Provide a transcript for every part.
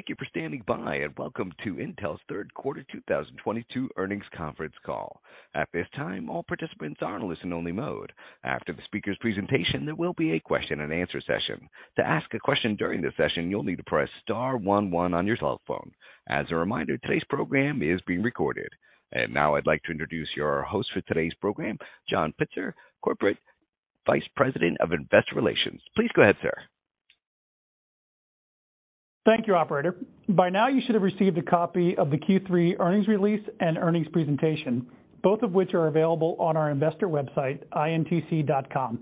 Thank you for standing by, and welcome to Intel's third quarter 2022 earnings conference call. At this time, all participants are in listen-only mode. After the speaker's presentation, there will be a question-and-answer session. To ask a question during the session, you'll need to press star one one on your cell phone. As a reminder, today's program is being recorded. Now I'd like to introduce your host for today's program, John Pitzer, Corporate Vice President of Investor Relations. Please go ahead, sir. Thank you, operator. By now, you should have received a copy of the Q3 earnings release and earnings presentation, both of which are available on our investor website, intc.com.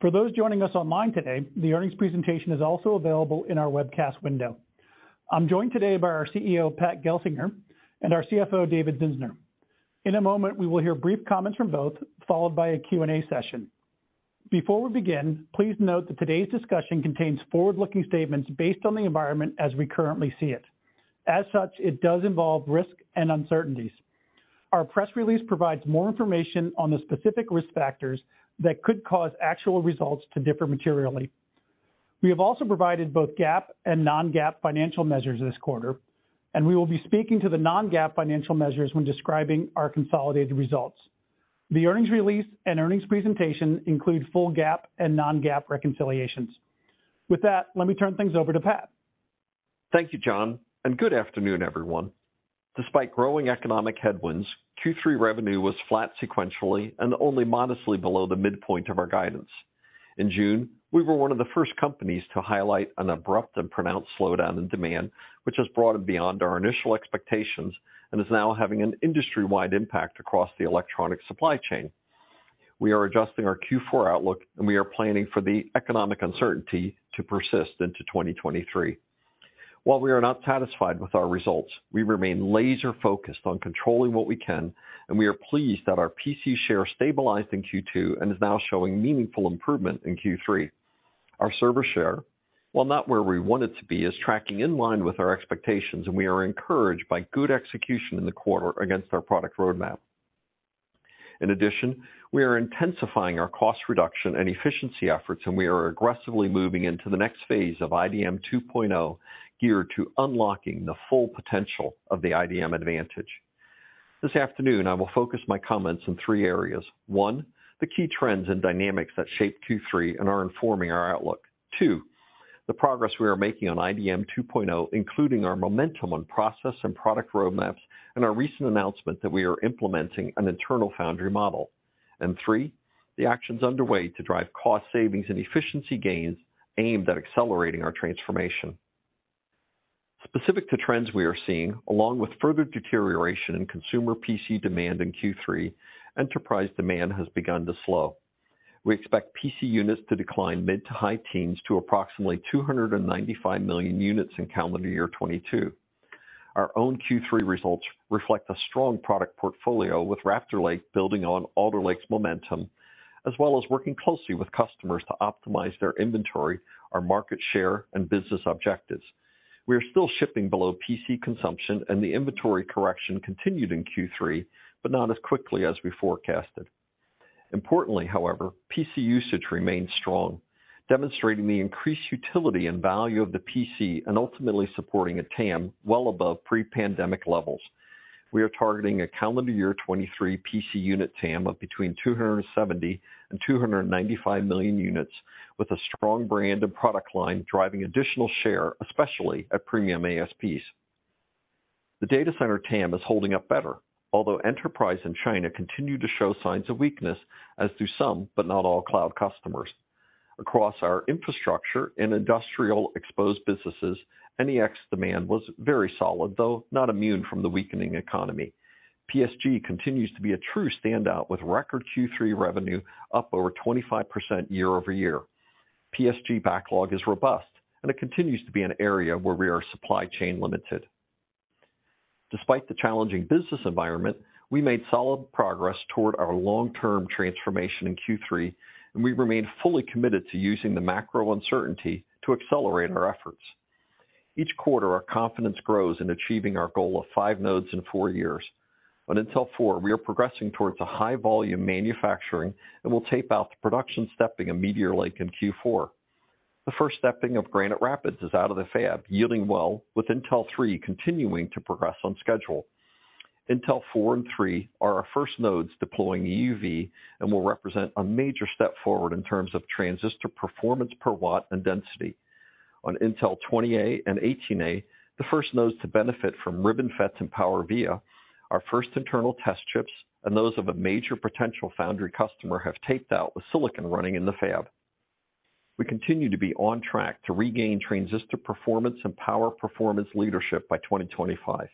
For those joining us online today, the earnings presentation is also available in our webcast window. I'm joined today by our CEO, Pat Gelsinger, and our CFO, David Zinsner. In a moment, we will hear brief comments from both, followed by a Q&A session. Before we begin, please note that today's discussion contains forward-looking statements based on the environment as we currently see it. As such, it does involve risk and uncertainties. Our press release provides more information on the specific risk factors that could cause actual results to differ materially. We have also provided both GAAP and non-GAAP financial measures this quarter, and we will be speaking to the non-GAAP financial measures when describing our consolidated results. The earnings release and earnings presentation include full GAAP and non-GAAP reconciliations. With that, let me turn things over to Pat. Thank you, John, and good afternoon, everyone. Despite growing economic headwinds, Q3 revenue was flat sequentially and only modestly below the midpoint of our guidance. In June, we were one of the first companies to highlight an abrupt and pronounced slowdown in demand, which has broadened beyond our initial expectations and is now having an industry-wide impact across the electronic supply chain. We are adjusting our Q4 outlook, and we are planning for the economic uncertainty to persist into 2023. While we are not satisfied with our results, we remain laser-focused on controlling what we can, and we are pleased that our PC share stabilized in Q2 and is now showing meaningful improvement in Q3. Our server share, while not where we want it to be, is tracking in line with our expectations, and we are encouraged by good execution in the quarter against our product roadmap. In addition, we are intensifying our cost reduction and efficiency efforts, and we are aggressively moving into the next phase of IDM 2.0, geared to unlocking the full potential of the IDM advantage. This afternoon, I will focus my comments in three areas. One, the key trends and dynamics that shape Q3 and are informing our outlook. Two, the progress we are making on IDM 2.0, including our momentum on process and product roadmaps, and our recent announcement that we are implementing an internal foundry model. Three, the actions underway to drive cost savings and efficiency gains aimed at accelerating our transformation. Specific to trends we are seeing, along with further deterioration in consumer PC demand in Q3, enterprise demand has begun to slow. We expect PC units to decline mid-teens to high-teens to approximately 295 million units in calendar year 2022. Our own Q3 results reflect a strong product portfolio with Raptor Lake building on Alder Lake's momentum, as well as working closely with customers to optimize their inventory, our market share, and business objectives. We are still shipping below PC consumption, and the inventory correction continued in Q3, but not as quickly as we forecasted. Importantly, however, PC usage remains strong, demonstrating the increased utility and value of the PC and ultimately supporting a TAM well above pre-pandemic levels. We are targeting a calendar year 2023 PC unit TAM of between 270 and 295 million units with a strong brand and product line driving additional share, especially at premium ASPs. The data center TAM is holding up better, although enterprise in China continue to show signs of weakness, as do some, but not all cloud customers. Across our infrastructure and industrial exposed businesses, NEX demand was very solid, though not immune from the weakening economy. PSG continues to be a true standout with record Q3 revenue up over 25% year-over-year. PSG backlog is robust, and it continues to be an area where we are supply chain-limited. Despite the challenging business environment, we made solid progress toward our long-term transformation in Q3, and we remain fully committed to using the macro uncertainty to accelerate our efforts. Each quarter, our confidence grows in achieving our goal of 5 nodes in four years. On Intel four, we are progressing towards a high volume manufacturing and will tape out the production stepping of Meteor Lake in Q4. The first stepping of Granite Rapids is out of the fab, yielding well with Intel three continuing to progress on schedule. Intel four and three are our first nodes deploying EUV and will represent a major step forward in terms of transistor performance per watt and density. On Intel 20A and 18A, the first nodes to benefit from RibbonFET and PowerVia, our first internal test chips and those of a major potential foundry customer have taped out with silicon running in the fab. We continue to be on track to regain transistor performance and power performance leadership by 2025.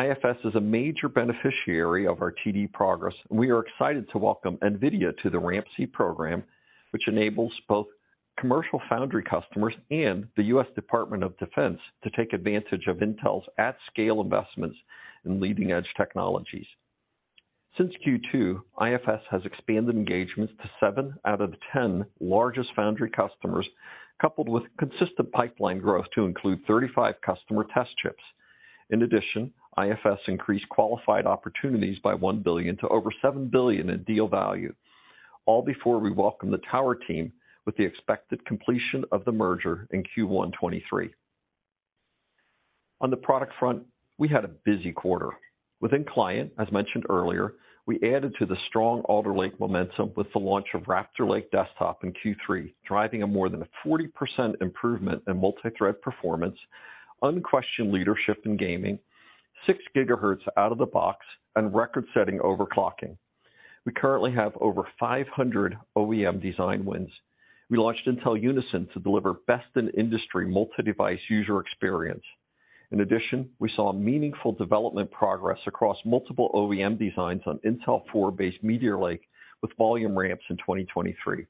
IFS is a major beneficiary of our TD progress. We are excited to welcome NVIDIA to the RAMP-C program, which enables both commercial foundry customers and the U.S. Department of Defense to take advantage of Intel's at-scale investments in leading-edge technologies. Since Q2, IFS has expanded engagements to seven out of the 10 largest foundry customers, coupled with consistent pipeline growth to include 35 customer test chips. In addition, IFS increased qualified opportunities by $1 billion to over $7 billion in deal value, all before we welcome the Tower team with the expected completion of the merger in Q1 2023. On the product front, we had a busy quarter. Within client, as mentioned earlier, we added to the strong Alder Lake momentum with the launch of Raptor Lake desktop in Q3, driving more than a 40% improvement in multi-thread performance, unquestioned leadership in gaming, 6 GHz out of the box, and record-setting overclocking. We currently have over 500 OEM design wins. We launched Intel Unison to deliver best-in-industry multi-device user experience. In addition, we saw meaningful development progress across multiple OEM designs on Intel four-based Meteor Lake with volume ramps in 2023.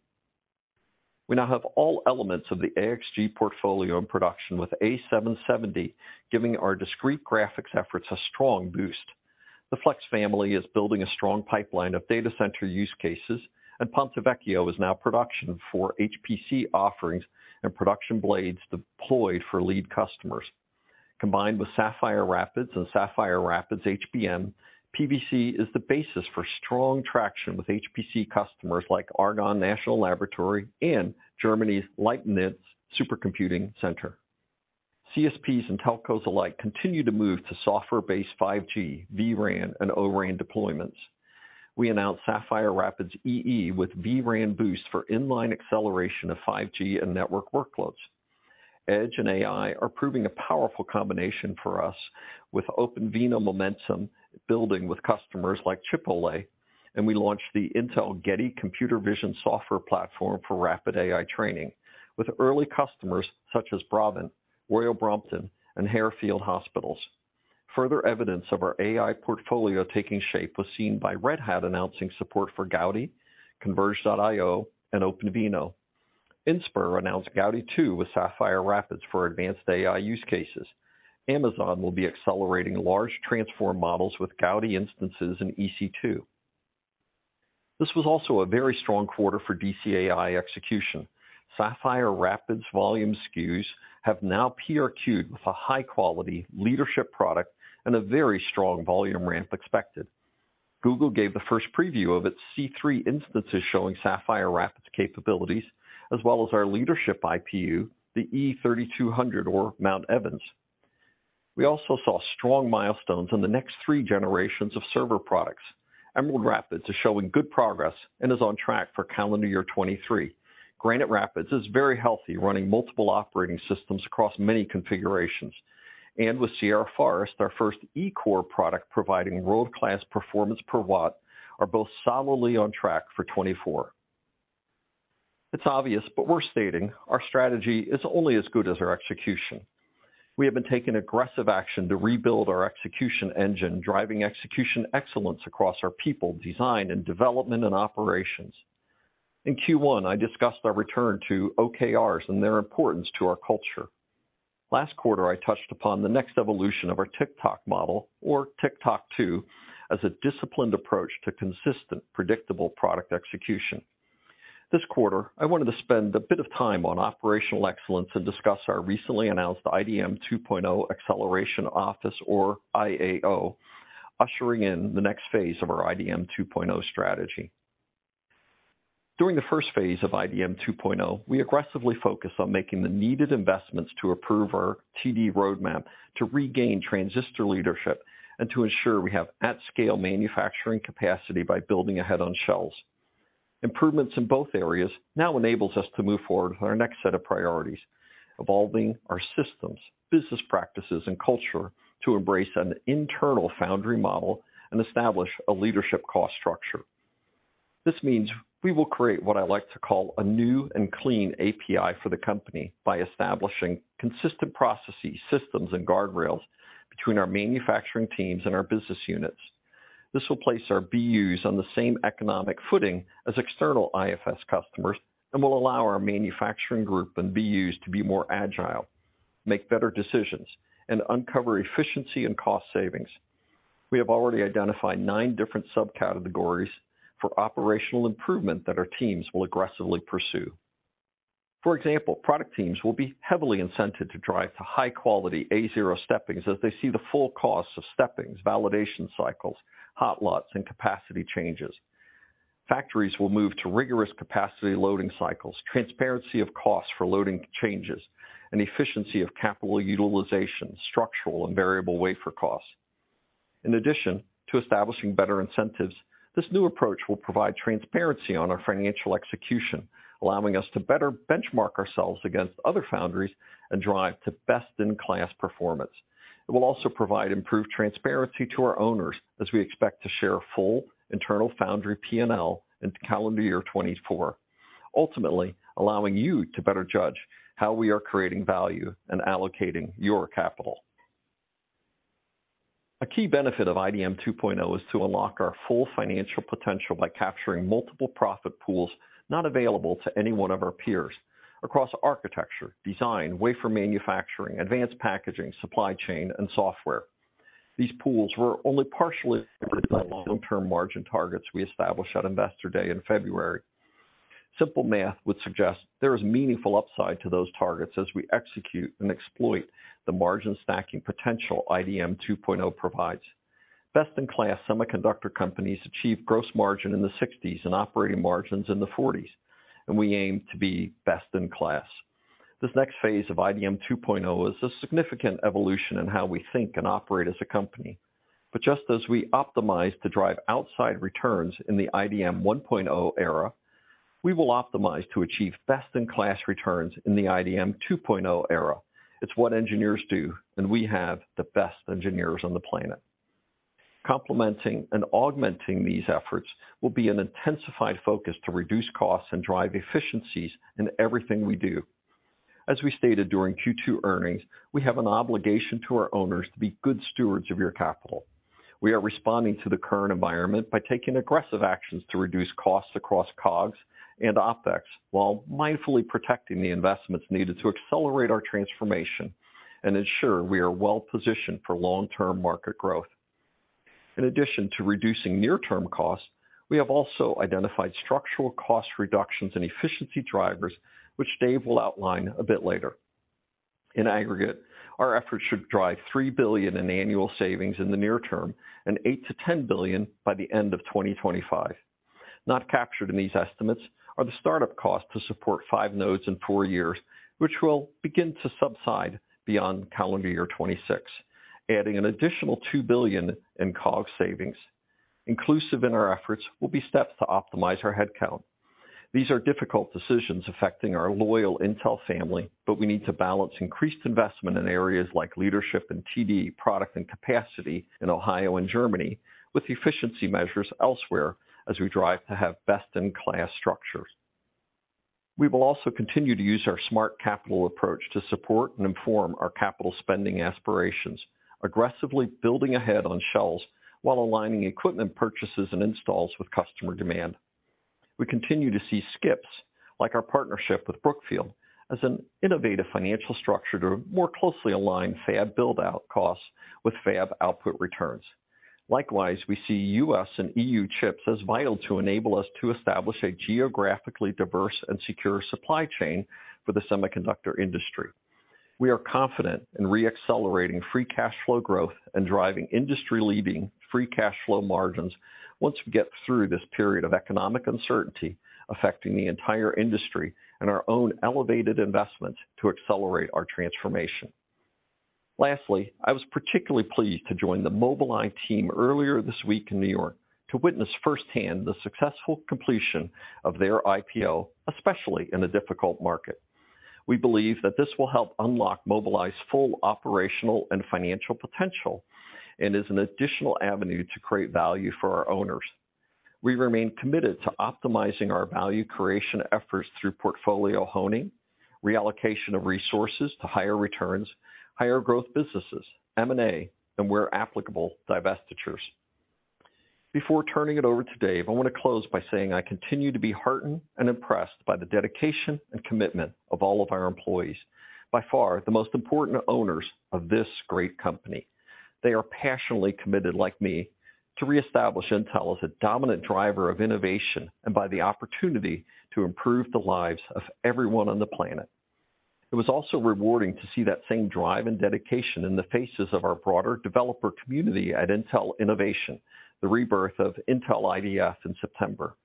We now have all elements of the AXG portfolio in production with Arc A770, giving our discrete graphics efforts a strong boost. The Flex family is building a strong pipeline of data center use cases, and Ponte Vecchio is now in production for HPC offerings and production blades deployed for lead customers. Combined with Sapphire Rapids and Sapphire Rapids HBM, PVC is the basis for strong traction with HPC customers like Argonne National Laboratory and Germany's Leibniz Supercomputing Centre. CSPs and telcos alike continue to move to software-based 5G, vRAN, and O-RAN deployments. We announced Sapphire Rapids EE with vRAN Boost for inline acceleration of 5G and network workloads. Edge and AI are proving a powerful combination for us with OpenVINO momentum building with customers like Chipotle, and we launched the Intel Geti computer vision software platform for rapid AI training with early customers such as [Braven], Royal Brompton Hospital, and Harefield Hospital. Further evidence of our AI portfolio taking shape was seen by Red Hat announcing support for Gaudi, cnvrg.io, and OpenVINO. Inspur announced Gaudi two with Sapphire Rapids for advanced AI use cases. Amazon will be accelerating large transformer models with Gaudi instances in EC2. This was also a very strong quarter for DCAI execution. Sapphire Rapids volume SKUs have now PRQ'd with a high-quality leadership product and a very strong volume ramp expected. Google gave the first preview of its C3 instances showing Sapphire Rapids capabilities, as well as our leadership IPU, the E3200 or Mount Evans. We also saw strong milestones in the next three generations of server products. Emerald Rapids is showing good progress and is on track for calendar year 2023. Granite Rapids is very healthy, running multiple operating systems across many configurations. With Sierra Forest, our first E-core product providing world-class performance per watt are both solidly on track for 2024. It's obvious, but we're stating our strategy is only as good as our execution. We have been taking aggressive action to rebuild our execution engine, driving execution excellence across our people, design, and development, and operations. In Q1, I discussed our return to OKRs and their importance to our culture. Last quarter, I touched upon the next evolution of our Tick-Tock model or Tick-Tock-Two as a disciplined approach to consistent, predictable product execution. This quarter, I wanted to spend a bit of time on operational excellence and discuss our recently announced IDM 2.0 Acceleration Office, or IAO, ushering in the next phase of our IDM 2.0 strategy. During the first phase of IDM 2.0, we aggressively focused on making the needed investments to improve our TD roadmap, to regain transistor leadership, and to ensure we have at-scale manufacturing capacity by building ahead on shelves. Improvements in both areas now enables us to move forward with our next set of priorities, evolving our systems, business practices, and culture to embrace an internal foundry model and establish a leadership cost structure. This means we will create what I like to call a new and clean API for the company by establishing consistent processes, systems, and guardrails between our manufacturing teams and our business units. This will place our BUs on the same economic footing as external IFS customers and will allow our manufacturing group and BUs to be more agile, make better decisions, and uncover efficiency and cost savings. We have already identified nine different subcategories for operational improvement that our teams will aggressively pursue. For example, product teams will be heavily incentivized to drive to high-quality A zero steppings as they see the full cost of steppings, validation cycles, hot lots, and capacity changes. Factories will move to rigorous capacity loading cycles, transparency of costs for loading changes, and efficiency of capital utilization, structural and variable wafer costs. In addition to establishing better incentives, this new approach will provide transparency on our financial execution, allowing us to better benchmark ourselves against other foundries and drive to best-in-class performance. It will also provide improved transparency to our owners as we expect to share full internal foundry P&L in calendar year 2024, ultimately allowing you to better judge how we are creating value and allocating your capital. A key benefit of IDM 2.0 is to unlock our full financial potential by capturing multiple profit pools not available to any one of our peers across architecture, design, wafer manufacturing, advanced packaging, supply chain, and software. These pools were only partially covered by the long-term margin targets we established at Investor Day in February. Simple math would suggest there is meaningful upside to those targets as we execute and exploit the margin stacking potential IDM 2.0 provides. Best in class semiconductor companies achieve gross margins in the 60s and operating margins in the 40s, and we aim to be best in class. This next phase of IDM 2.0 is a significant evolution in how we think and operate as a company. Just as we optimize to drive outside returns in the IDM 1.0 era, we will optimize to achieve best-in-class returns in the IDM 2.0 era. It's what engineers do, and we have the best engineers on the planet. Complementing and augmenting these efforts will be an intensified focus to reduce costs and drive efficiencies in everything we do. As we stated during Q2 earnings, we have an obligation to our owners to be good stewards of your capital. We are responding to the current environment by taking aggressive actions to reduce costs across COGS and OPEX while mindfully protecting the investments needed to accelerate our transformation and ensure we are well-positioned for long-term market growth. In addition to reducing near term costs, we have also identified structural cost reductions and efficiency drivers, which Dave will outline a bit later. In aggregate, our efforts should drive $3 billion in annual savings in the near term and $8-$10 billion by the end of 2025. Not captured in these estimates are the startup costs to support 5 nodes in four years, which will begin to subside beyond calendar year 2026, adding an additional $2 billion in COGS savings. Inclusive in our efforts will be steps to optimize our headcount. These are difficult decisions affecting our loyal Intel family, but we need to balance increased investment in areas like leadership and TD product and capacity in Ohio and Germany with efficiency measures elsewhere as we drive to have best-in-class structures. We will also continue to use our smart capital approach to support and inform our capital spending aspirations, aggressively building ahead on shelves while aligning equipment purchases and installs with customer demand. We continue to see SCIPs like our partnership with Brookfield as an innovative financial structure to more closely align fab build-out costs with fab output returns. Likewise, we see U.S. and EU CHIPS as vital to enable us to establish a geographically diverse and secure supply chain for the semiconductor industry. We are confident in re-accelerating free cash flow growth and driving industry-leading free cash flow margins once we get through this period of economic uncertainty affecting the entire industry and our own elevated investments to accelerate our transformation. Lastly, I was particularly pleased to join the Mobileye team earlier this week in New York to witness firsthand the successful completion of their IPO, especially in a difficult market. We believe that this will help unlock Mobileye's full operational and financial potential and is an additional avenue to create value for our owners. We remain committed to optimizing our value creation efforts through portfolio honing, reallocation of resources to higher returns, higher growth businesses, M&A, and where applicable, divestitures. Before turning it over to Dave, I want to close by saying I continue to be heartened and impressed by the dedication and commitment of all of our employees, by far the most important owners of this great company. They are passionately committed, like me, to reestablish Intel as a dominant driver of innovation and by the opportunity to improve the lives of everyone on the planet. It was also rewarding to see that same drive and dedication in the faces of our broader developer community at Intel Innovation, the rebirth of Intel IDF in September.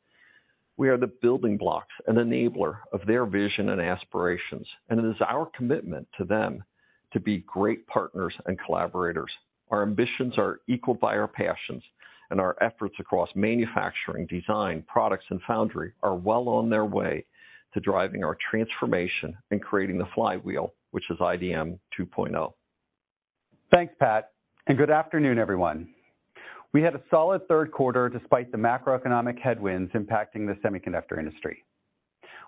We are the building blocks and enablers of their vision and aspirations, and it is our commitment to them to be great partners and collaborators. Our ambitions are equaled by our passions, and our efforts across manufacturing, design, products, and foundry are well on their way to driving our transformation and creating the flywheel, which is IDM 2.0. Thanks, Pat, and good afternoon, everyone. We had a solid third quarter despite the macroeconomic headwinds impacting the semiconductor industry.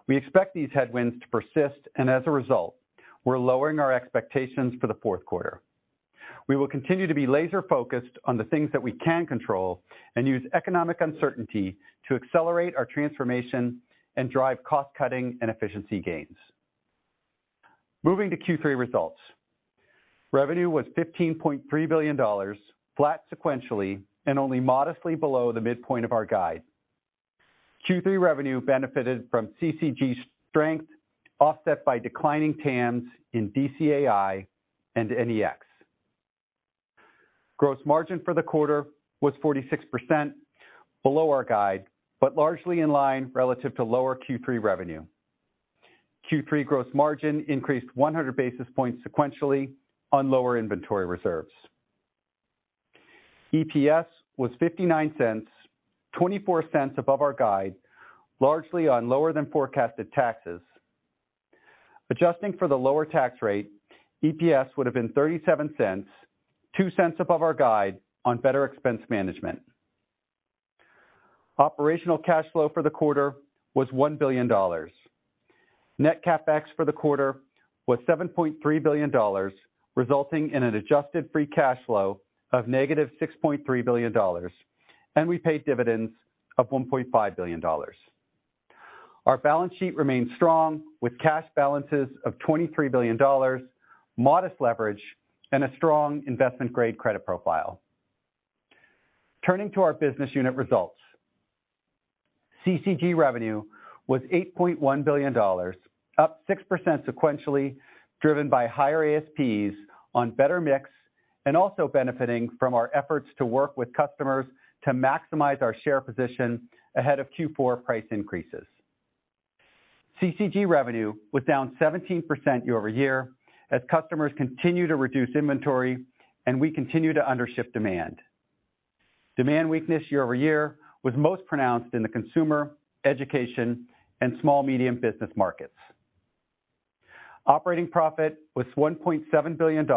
We expect these headwinds to persist, and as a result, we're lowering our expectations for the fourth quarter. We will continue to be laser-focused on the things that we can control and use economic uncertainty to accelerate our transformation and drive cost-cutting and efficiency gains. Moving to Q3 results. Revenue was $15.3 billion, flat sequentially and only modestly below the midpoint of our guide. Q3 revenue benefited from CCG strength, offset by declining TAMs in DCAI and NEX. Gross margin for the quarter was 46% below our guide, but largely in line relative to lower Q3 revenue. Q3 gross margin increased 100 basis points sequentially on lower inventory reserves. EPS was $0.59, $0.24 above our guide, largely on lower than forecasted taxes. Adjusting for the lower tax rate, EPS would have been $0.37, $0.02 above our guide on better expense management. Operational cash flow for the quarter was $1 billion. Net CapEx for the quarter was $7.3 billion, resulting in an adjusted free cash flow of $-6.3 billion. We paid dividends of $1.5 billion. Our balance sheet remains strong with cash balances of $23 billion, modest leverage, and a strong investment-grade credit profile. Turning to our business unit results. CCG revenue was $8.1 billion, up 6% sequentially, driven by higher ASPs on better mix and also benefiting from our efforts to work with customers to maximize our share position ahead of Q4 price increases. CCG revenue was down 17% year-over-year as customers continue to reduce inventory, and we continue to undership demand. Demand weakness year-over-year was most pronounced in the consumer, education, and small medium business markets. Operating profit was $1.7 billion,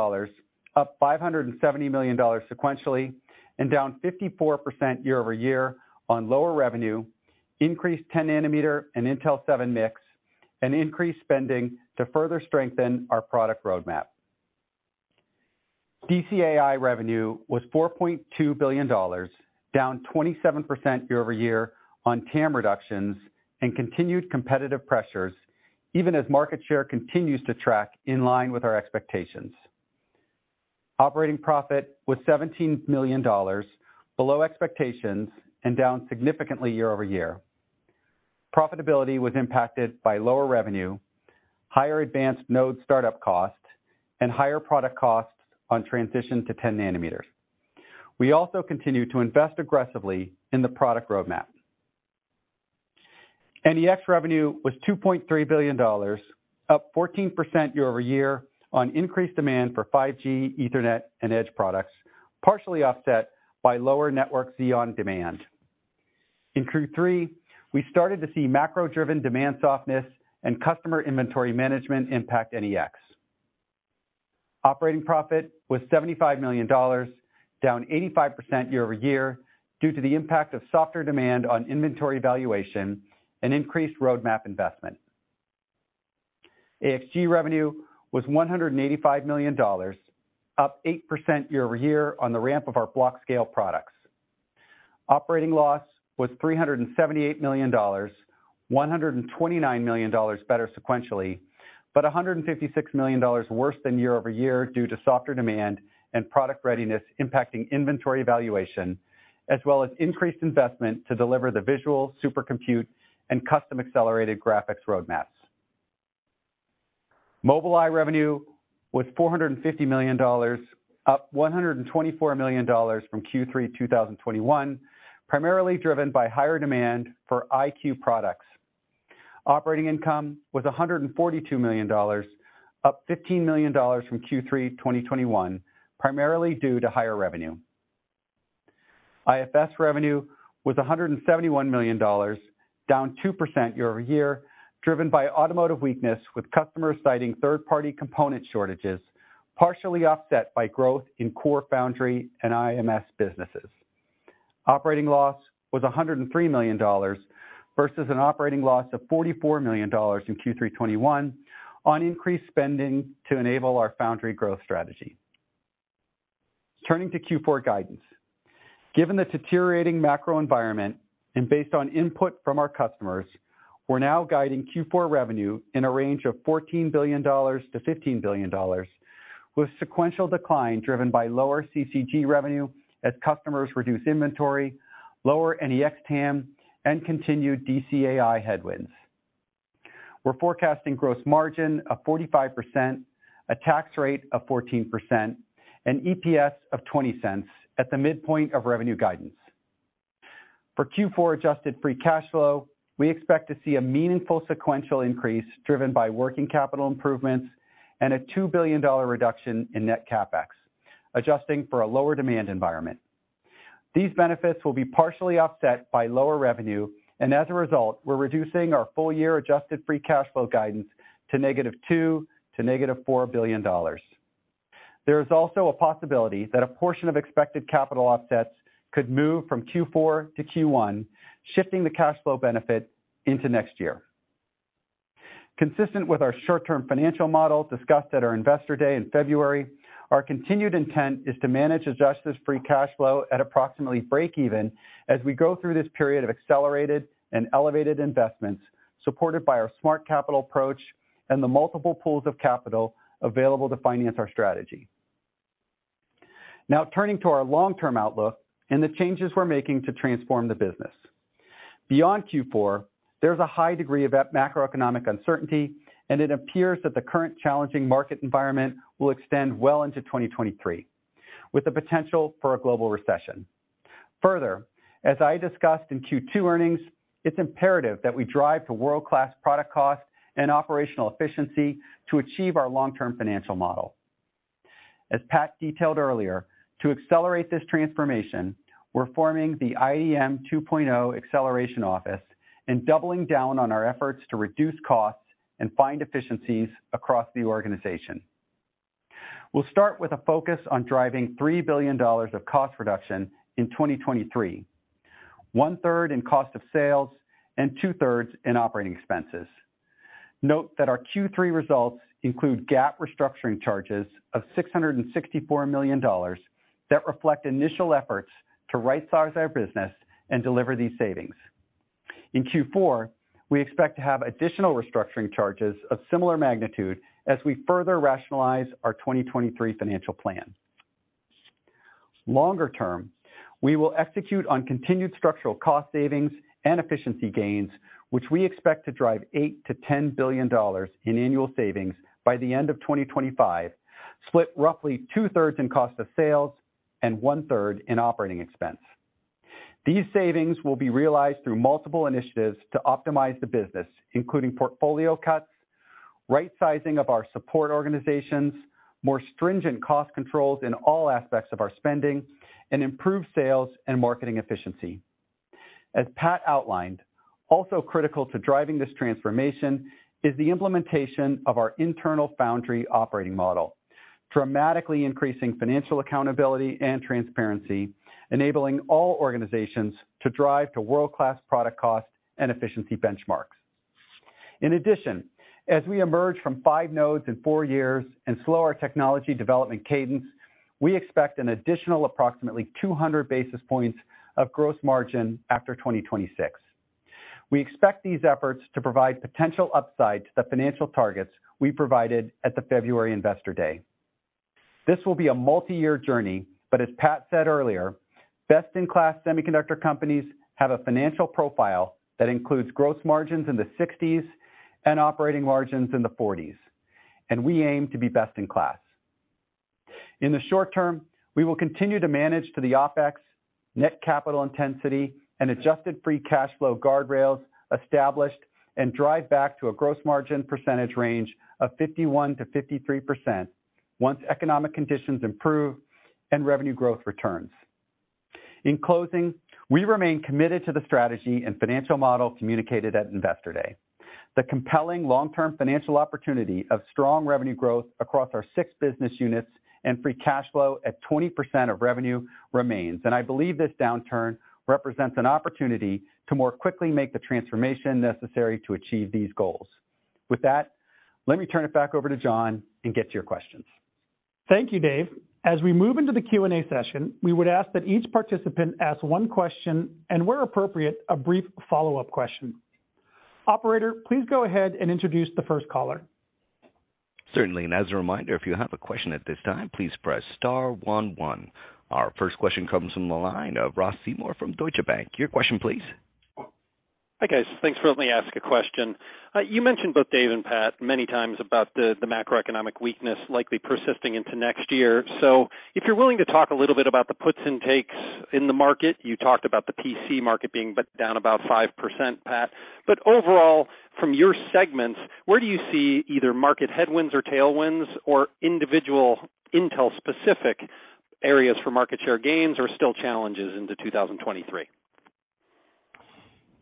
up $570 million sequentially, and down 54% year-over-year on lower revenue, increased 10 nm and Intel seven mix, and increased spending to further strengthen our product roadmap. DCAI revenue was $4.2 billion, down 27% year-over-year on TAM reductions and continued competitive pressures, even as market share continues to track in line with our expectations. Operating profit was $17 million, below expectations and down significantly year-over-year. Profitability was impacted by lower revenue, higher advanced node startup costs, and higher product costs on transition to 10 nm. We also continue to invest aggressively in the product roadmap. NEX revenue was $2.3 billion, up 14% year-over-year on increased demand for 5G, Ethernet, and edge products, partially offset by lower networking Xeon demand. In Q3, we started to see macro-driven demand softness and customer inventory management impact NEX. Operating profit was $75 million, down 85% year-over-year due to the impact of softer demand on inventory valuation and increased roadmap investment. AXG revenue was $185 million, up 8% year-over-year on the ramp of our Blockscale products. Operating loss was $378 million, $129 million better sequentially, but $156 million worse than year-over-year due to softer demand and product readiness impacting inventory valuation, as well as increased investment to deliver the visual super compute and custom accelerated graphics roadmaps. Mobileye revenue was $450 million, up $124 million from Q3 2021, primarily driven by higher demand for IQ products. Operating income was $142 million, up $15 million from Q3 2021, primarily due to higher revenue. IFS revenue was $171 million, down 2% year-over-year, driven by automotive weakness with customers citing third-party component shortages, partially offset by growth in core foundry and IMS businesses. Operating loss was $103 million versus an operating loss of $44 million in Q3 2021 on increased spending to enable our foundry growth strategy. Turning to Q4 guidance. Given the deteriorating macro environment and based on input from our customers, we're now guiding Q4 revenue in a range of $14 billion-$15 billion, with sequential decline driven by lower CCG revenue as customers reduce inventory, lower NEX TAM, and continued DCAI headwinds. We're forecasting gross margin of 45%, a tax rate of 14%, and EPS of $0.20 at the midpoint of revenue guidance. For Q4 adjusted free cash flow, we expect to see a meaningful sequential increase driven by working capital improvements and a $2 billion reduction in net CapEx, adjusting for a lower demand environment. These benefits will be partially offset by lower revenue, and as a result, we're reducing our full-year adjusted free cash flow guidance to $-2 billion-$-4 billion. There is also a possibility that a portion of expected capital offsets could move from Q4 to Q1, shifting the cash flow benefit into next year. Consistent with our short-term financial model discussed at our Investor Day in February, our continued intent is to manage adjusted free cash flow at approximately break-even as we go through this period of accelerated and elevated investments supported by our smart capital approach and the multiple pools of capital available to finance our strategy. Now turning to our long-term outlook and the changes we're making to transform the business. Beyond Q4, there's a high degree of macroeconomic uncertainty, and it appears that the current challenging market environment will extend well into 2023, with the potential for a global recession. Further, as I discussed in Q2 earnings, it's imperative that we drive to world-class product cost and operational efficiency to achieve our long-term financial model. As Pat detailed earlier, to accelerate this transformation, we're forming the IDM 2.0 acceleration office and doubling down on our efforts to reduce costs and find efficiencies across the organization. We'll start with focus on driving $3 billion of cost reduction in 2023, 1/3 in cost of sales, and 2/3 in operating expenses. Note that our Q3 results include GAAP restructuring charges of $664 million that reflect initial efforts to right-size our business and deliver these savings. In Q4, we expect to have additional restructuring charges of similar magnitude as we further rationalize our 2023 financial plan. Longer term, we will execute on continued structural cost savings and efficiency gains, which we expect to drive $8 billion-$10 billion in annual savings by the end of 2025, split roughly 2/3 in cost of sales and 1/3 in operating expense. These savings will be realized through multiple initiatives to optimize the business, including portfolio cuts, rightsizing of our support organizations, more stringent cost controls in all aspects of our spending, and improved sales and marketing efficiency. 4As Pat outlined, also critical to driving this transformation is the implementation of our internal foundry operating model, dramatically increasing financial accountability and transparency, enabling all organizations to drive to world-class product cost and efficiency benchmarks. In addition, as we emerge from 5 nodes in four years and slow our technology development cadence, we expect an additional approximately 200 basis points of gross margin after 2026. We expect these efforts to provide potential upside to the financial targets we provided at the February Investor Day. This will be a multiyear journey, but as Pat said earlier, best-in-class semiconductor companies have a financial profile that includes gross margins in the 60s and operating margins in the 40s, and we aim to be best in class. In the short term, we will continue to manage to the OpEx, net capital intensity, and adjusted free cash flow guardrails established and drive back to a gross margin percentage range of 51%-53% once economic conditions improve and revenue growth returns. In closing, we remain committed to the strategy and financial model communicated at Investor Day. The compelling long-term financial opportunity of strong revenue growth across our six business units and free cash flow at 20% of revenue remains, and I believe this downturn represents an opportunity to more quickly make the transformation necessary to achieve these goals. With that, let me turn it back over to John and get to your questions. Thank you, Dave. As we move into the Q&A session, we would ask that each participant ask one question and where appropriate, a brief follow-up question. Operator, please go ahead and introduce the first caller. Certainly. As a reminder, if you have a question at this time, please press star one one. Our first question comes from the line of Ross Seymore from Deutsche Bank. Your question, please. Hi, guys. Thanks for letting me ask a question. You mentioned, both David and Pat, many times about the macroeconomic weakness likely persisting into next year. If you're willing to talk a little bit about the puts and takes in the market. You talked about the PC market being down about 5%, Pat. Overall, from your segments, where do you see either market headwinds or tailwinds or individual Intel specific areas for market share gains are still challenges into 2023?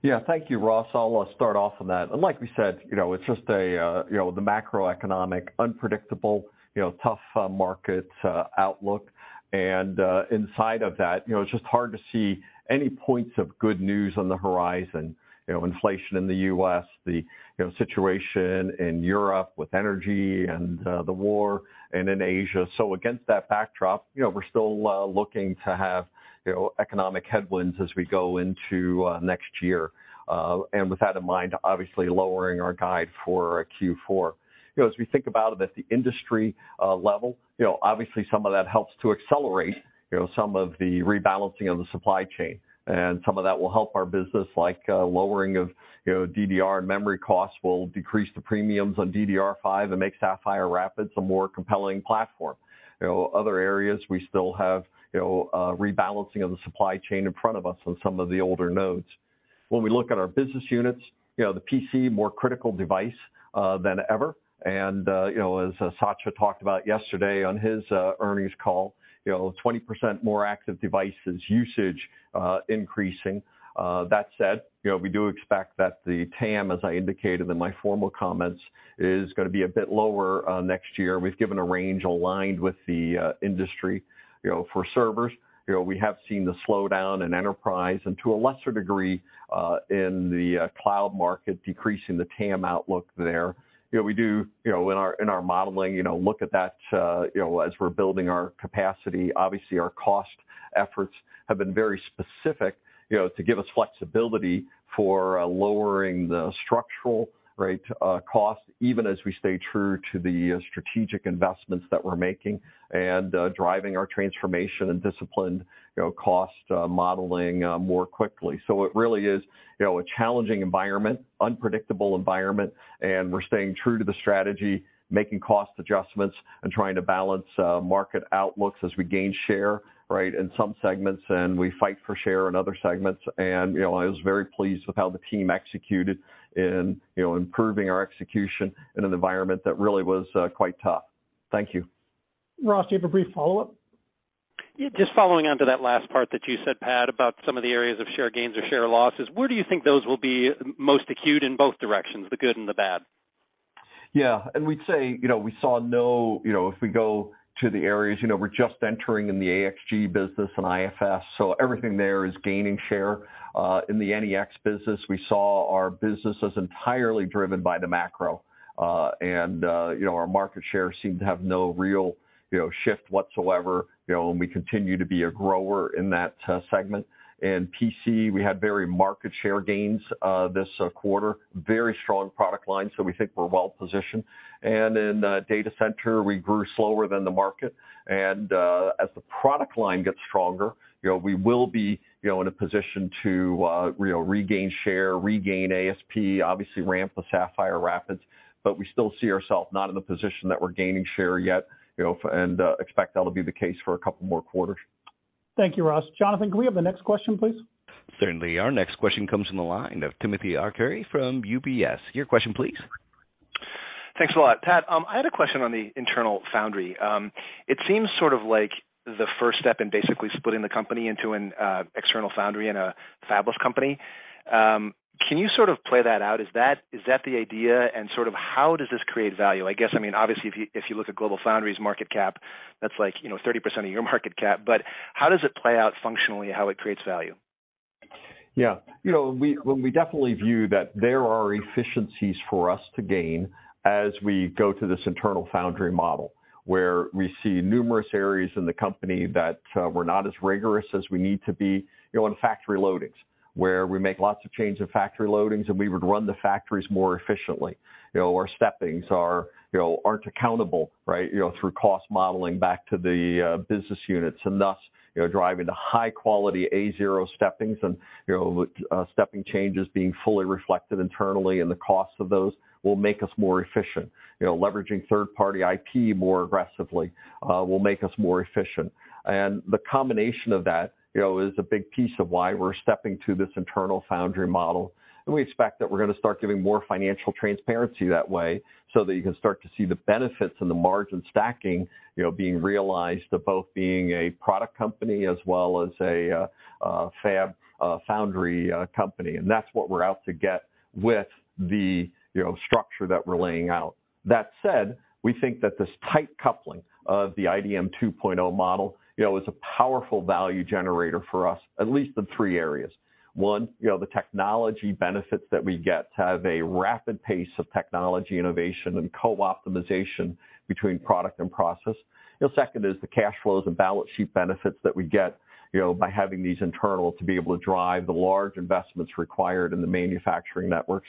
Yeah. Thank you, Ross. I'll start off on that. Like we said, you know, it's just a, you know, the macroeconomic unpredictable, you know, tough, market, outlook. Inside of that, you know, it's just hard to see any points of good news on the horizon. You know, inflation in the U.S., the, you know, situation in Europe with energy and, the war and in Asia. Against that backdrop, you know, we're still looking to have, you know, economic headwinds as we go into next year. With that in mind, obviously lowering our guide for Q4. You know, as we think about it at the industry, level, you know, obviously some of that helps to accelerate, you know, some of the rebalancing of the supply chain. Some of that will help our business like lowering of, you know, DDR and memory costs will decrease the premiums on DDR5 and make Sapphire Rapids a more compelling platform. You know, other areas we still have, you know, rebalancing of the supply chain in front of us on some of the older nodes. When we look at our business units, you know, the PC more critical device than ever. You know, as Satya talked about yesterday on his earnings call, you know, 20% more active devices usage increasing. That said, you know, we do expect that the TAM, as I indicated in my formal comments, is gonna be a bit lower next year. We've given a range aligned with the industry. You know, for servers, you know, we have seen the slowdown in enterprise, and to a lesser degree, in the cloud market decreasing the TAM outlook there. You know, we do, you know, in our modeling, you know, look at that, you know, as we're building our capacity. Obviously, our cost efforts have been very specific, you know, to give us flexibility for lowering the structural rate cost, even as we stay true to the strategic investments that we're making and driving our transformation and disciplined, you know, cost modeling more quickly. So it really is, you know, a challenging environment, unpredictable environment, and we're staying true to the strategy, making cost adjustments, and trying to balance market outlooks as we gain share, right, in some segments, and we fight for share in other segments. I was very pleased with how the team executed in, you know, improving our execution in an environment that really was quite tough. Thank you. Ross, do you have a brief follow-up? Yeah. Just following on to that last part that you said, Pat, about some of the areas of share gains or share losses. Where do you think those will be most acute in both directions, the good and the bad? Yeah. We'd say, you know, we saw no, you know, if we go to the areas, you know, we're just entering in the AXG business and IFS, so everything there is gaining share. In the NEX business, we saw our business as entirely driven by the macro. Our market share seemed to have no real, you know, shift whatsoever, you know, and we continue to be a grower in that segment. In PC, we had very market share gains this quarter. Very strong product line, so we think we're well-positioned. In the data center, we grew slower than the market. As the product line gets stronger, you know, we will be, you know, in a position to, you know, regain share, regain ASP, obviously ramp the Sapphire Rapids, but we still see ourselves not in the position that we're gaining share yet, you know, expect that'll be the case for a couple more quarters. Thank you, Ross. Jonathan, can we have the next question, please? Certainly. Our next question comes from the line of Timothy Arcuri from UBS. Your question please. Thanks a lot. Pat, I had a question on the internal foundry. It seems sort of like the first step in basically splitting the company into an external foundry and a fabless company. Can you sort of play that out? Is that the idea, and sort of how does this create value? I guess, I mean, obviously, if you look at GlobalFoundries market cap, that's like, you know, 30% of your market cap. But how does it play out functionally, how it creates value? Yeah. You know, well, we definitely view that there are efficiencies for us to gain as we go to this internal foundry model, where we see numerous areas in the company that we're not as rigorous as we need to be, you know, on factory loadings, where we make lots of changes in factory loadings, and we would run the factories more efficiently. You know, our steppings are, you know, aren't accountable, right, you know, through cost modeling back to the business units, and thus, you know, driving the high quality A zero steppings and, you know, with stepping changes being fully reflected internally, and the cost of those will make us more efficient. You know, leveraging third-party IP more aggressively will make us more efficient. The combination of that, you know, is a big piece of why we're stepping to this internal foundry model. We expect that we're gonna start giving more financial transparency that way so that you can start to see the benefits and the margin stacking, you know, being realized of both being a product company as well as a fab, a foundry company. That's what we're out to get with the, you know, structure that we're laying out. That said, we think that this tight coupling of the IDM 2.0 model, you know, is a powerful value generator for us, at least in three areas. One, you know, the technology benefits that we get to have a rapid pace of technology innovation and co-optimization between product and process. You know, second is the cash flows and balance sheet benefits that we get, you know, by having these internal to be able to drive the large investments required in the manufacturing networks.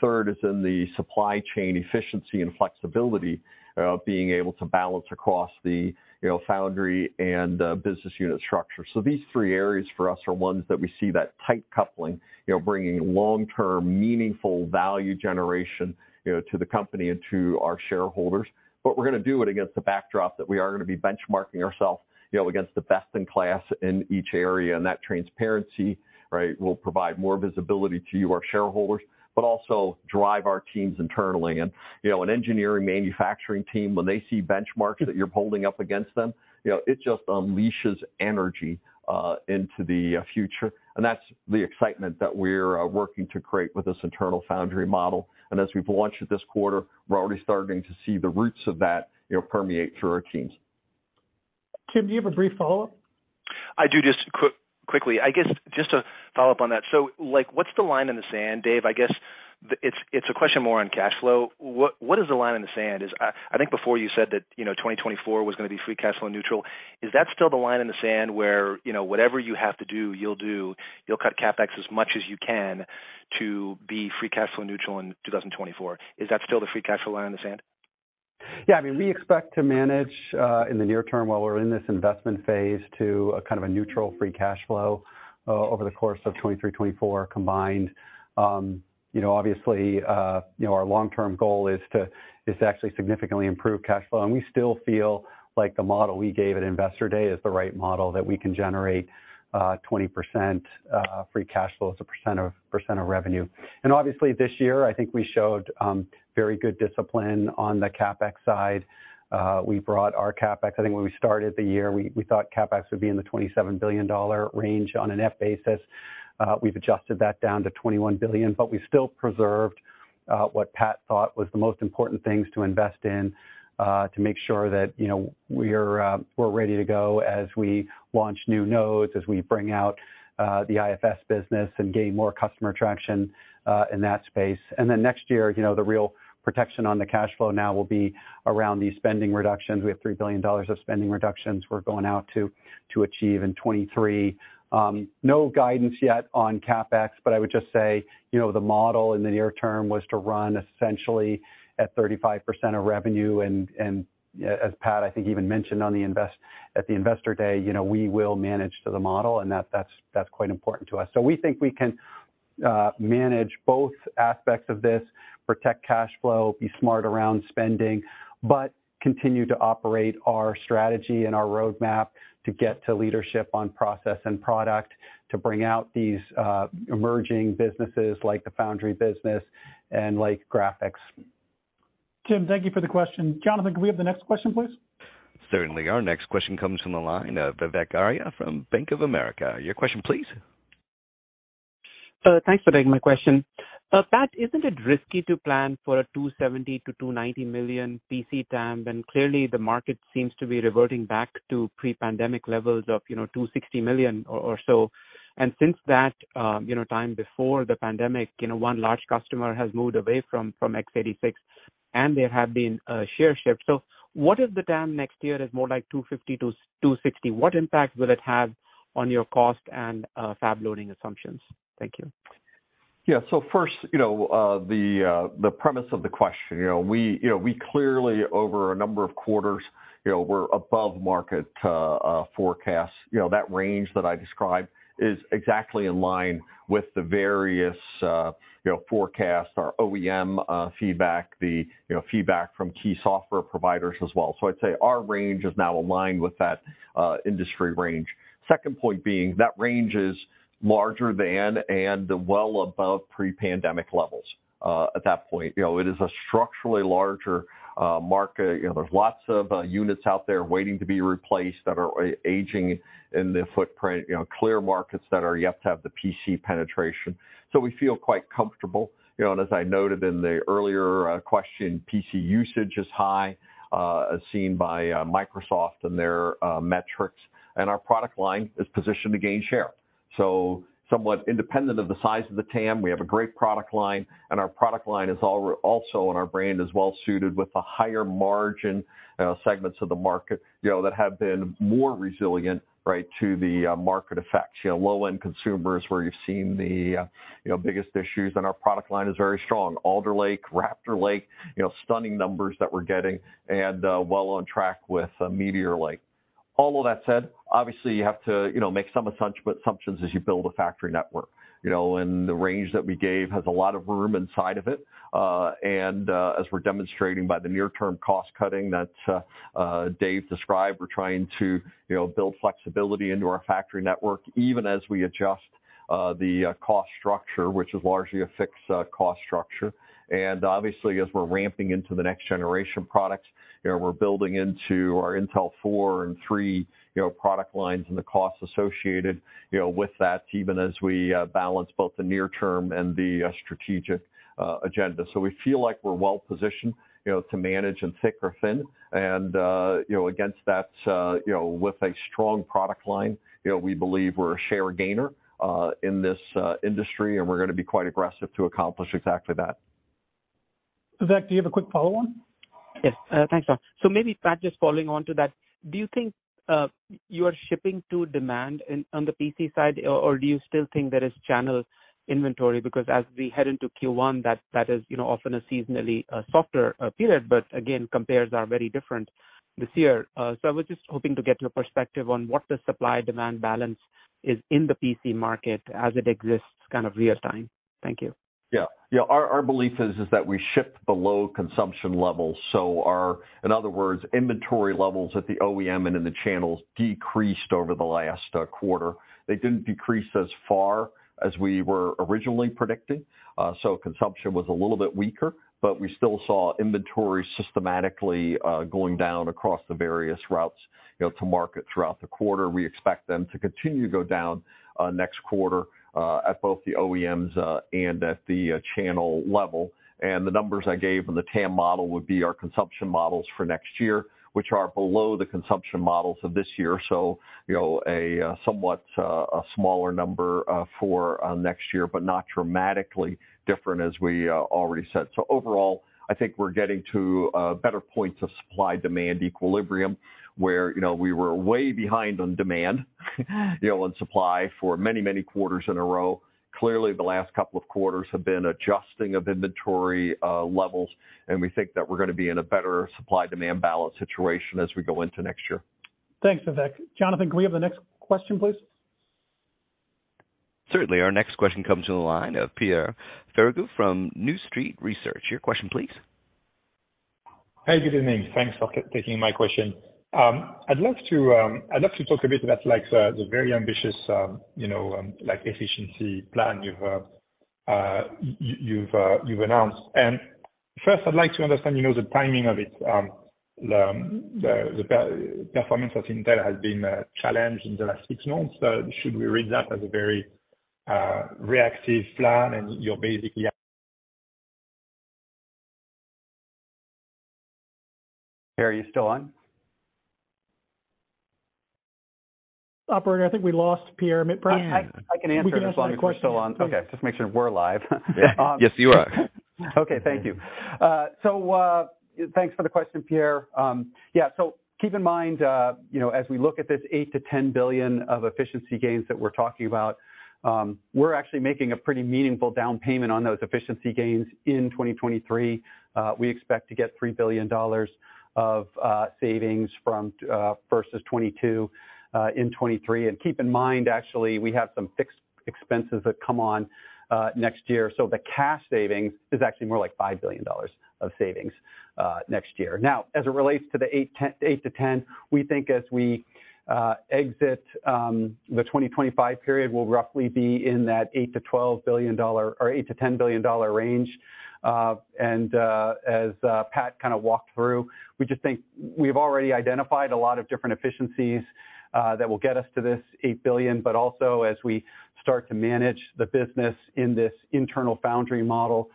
Third is in the supply chain efficiency and flexibility of being able to balance across the, you know, foundry and business unit structure. These three areas for us are ones that we see that tight coupling, you know, bringing long-term, meaningful value generation, you know, to the company and to our shareholders. We're gonna do it against the backdrop that we are gonna be benchmarking ourself, you know, against the best in class in each area, and that transparency, right, will provide more visibility to you, our shareholders, but also drive our teams internally. You know, an engineering manufacturing team, when they see benchmarks that you're holding up against them, you know, it just unleashes energy into the future, and that's the excitement that we're working to create with this internal foundry model. As we've launched it this quarter, we're already starting to see the roots of that, you know, permeate through our teams. Tim, do you have a brief follow-up? I do, just quickly. I guess, just to follow up on that. Like, what's the line in the sand, Dave? I guess it's a question more on cash flow. What is the line in the sand? I think before you said that, you know, 2024 was gonna be free cash flow neutral. Is that still the line in the sand where, you know, whatever you have to do, you'll do, you'll cut CapEx as much as you can to be free cash flow neutral in 2024? Is that still the free cash flow line in the sand? Yeah. I mean, we expect to manage in the near term while we're in this investment phase to a kind of a neutral free cash flow over the course of 2023, 2024 combined. You know, obviously, you know, our long-term goal is to actually significantly improve cash flow, and we still feel like the model we gave at Investor Day is the right model that we can generate 20% free cash flow as a percent of revenue. Obviously, this year, I think we showed very good discipline on the CapEx side. We brought our CapEx. I think when we started the year, we thought CapEx would be in the $27 billion range on an FY basis. We've adjusted that down to $21 billion, but we still preserved what Pat thought was the most important things to invest in to make sure that, you know, we're ready to go as we launch new nodes, as we bring out the IFS business and gain more customer traction in that space. Next year, you know, the real protection on the cash flow now will be around these spending reductions. We have $3 billion of spending reductions we're going out to achieve in 2023. No guidance yet on CapEx, but I would just say, you know, the model in the near term was to run essentially at 35% of revenue, and as Pat, I think, even mentioned at the Investor Day, you know, we will manage to the model, and that's quite important to us. We think we can manage both aspects of this, protect cash flow, be smart around spending, but continue to operate our strategy and our roadmap to get to leadership on process and product, to bring out these emerging businesses like the foundry business and like graphics. Tim, thank you for the question. Jonathan, can we have the next question, please? Certainly. Our next question comes from the line of Vivek Arya from Bank of America. Your question please. Thanks for taking my question. Pat, isn't it risky to plan for a 270-290 million PC TAM when clearly the market seems to be reverting back to pre-pandemic levels of, you know, 260 million or so. Since that time before the pandemic, you know, one large customer has moved away from x86, and there have been share shifts. What if the TAM next year is more like 250-260? What impact will it have on your cost and fab loading assumptions? Thank you. Yeah. First, you know, the premise of the question. You know, we clearly over a number of quarters, you know, we're above market forecasts. You know, that range that I described is exactly in line with the various, you know, forecasts, our OEM feedback, the feedback from key software providers as well. I'd say our range is now aligned with that industry range. Second point being that range is larger than and well above pre-pandemic levels, at that point. You know, it is a structurally larger market. You know, there's lots of units out there waiting to be replaced that are aging in the footprint, you know, clear markets that are yet to have the PC penetration. We feel quite comfortable. You know, as I noted in the earlier question, PC usage is high, as seen by Microsoft and their metrics, and our product line is positioned to gain share. Somewhat independent of the size of the TAM, we have a great product line, and our product line is also, and our brand is well suited with the higher margin segments of the market, you know, that have been more resilient, right, to the market effects. You know, low-end consumers where you've seen the you know, biggest issues, and our product line is very strong. Alder Lake, Raptor Lake, you know, stunning numbers that we're getting and well on track with Meteor Lake. All of that said, obviously, you have to you know, make some assumptions as you build a factory network. You know, the range that we gave has a lot of room inside of it. As we're demonstrating by the near-term cost-cutting that Dave described, we're trying to, you know, build flexibility into our factory network, even as we adjust the cost structure, which is largely a fixed cost structure. Obviously, as we're ramping into the next generation products, you know, we're building into our Intel four and Intel three, you know, product lines and the costs associated, you know, with that, even as we balance both the near-term and the strategic agenda. We feel like we're well-positioned, you know, to manage in thick or thin and, you know, against that, you know, with a strong product line, you know, we believe we're a share gainer in this industry, and we're gonna be quite aggressive to accomplish exactly that. Vivek, do you have a quick follow on? Yes. Thanks, Rob. Maybe, Pat, just following on to that, do you think you are shipping to demand on the PC side or do you still think there is channel inventory? Because as we head into Q1, that is, you know, often a seasonally softer period, but again, compares are very different this year. I was just hoping to get your perspective on what the supply-demand balance is in the PC market as it exists kind of real time. Thank you. Yeah. Our belief is that we ship below consumption levels. In other words, inventory levels at the OEM and in the channels decreased over the last quarter. They didn't decrease as far as we were originally predicting, so consumption was a little bit weaker, but we still saw inventory systematically going down across the various routes, you know, to market throughout the quarter. We expect them to continue to go down next quarter at both the OEMs and at the channel level. The numbers I gave in the TAM model would be our consumption models for next year, which are below the consumption models of this year. You know, a somewhat smaller number for next year, but not dramatically different as we already said. Overall, I think we're getting to a better point of supply-demand equilibrium where, you know, we were way behind on demand you know, and supply for many, many quarters in a row. Clearly, the last couple of quarters have been adjusting of inventory levels, and we think that we're gonna be in a better supply-demand balance situation as we go into next year. Thanks, Vivek. Jonathan, can we have the next question, please? Certainly. Our next question comes from the line of Pierre Ferragu from New Street Research. Your question please. Hi, good evening. Thanks for taking my question. I'd love to talk a bit about like the very ambitious, you know, like efficiency plan you've announced. First I'd like to understand, you know, the timing of it. The performance of Intel has been challenged in the last six months. Should we read that as a very reactive plan and you're basically- Pierre, are you still on? Operator, I think we lost Pierre mid-press. I can answer it as long as we're still on. We can answer the question. Please. Okay. Just making sure we're live. Yes, you are. Okay. Thank you. Thanks for the question, Pierre. Keep in mind, as we look at this $8 billion-$10 billion of efficiency gains that we're talking about, we're actually making a pretty meaningful down payment on those efficiency gains in 2023. We expect to get $3 billion of savings versus 2022 in 2023. Keep in mind, actually, we have some fixed expenses that come on next year. The cash savings is actually more like $5 billion of savings next year. Now, as it relates to the eight to ten, we think as we exit the 2025 period, we'll roughly be in that $8 billion-$12 billion or $8 billion-$10 billion range. As Pat kinda walked through, we just think we've already identified a lot of different efficiencies that will get us to this $8 billion, but also as we start to manage the business in this internal foundry model,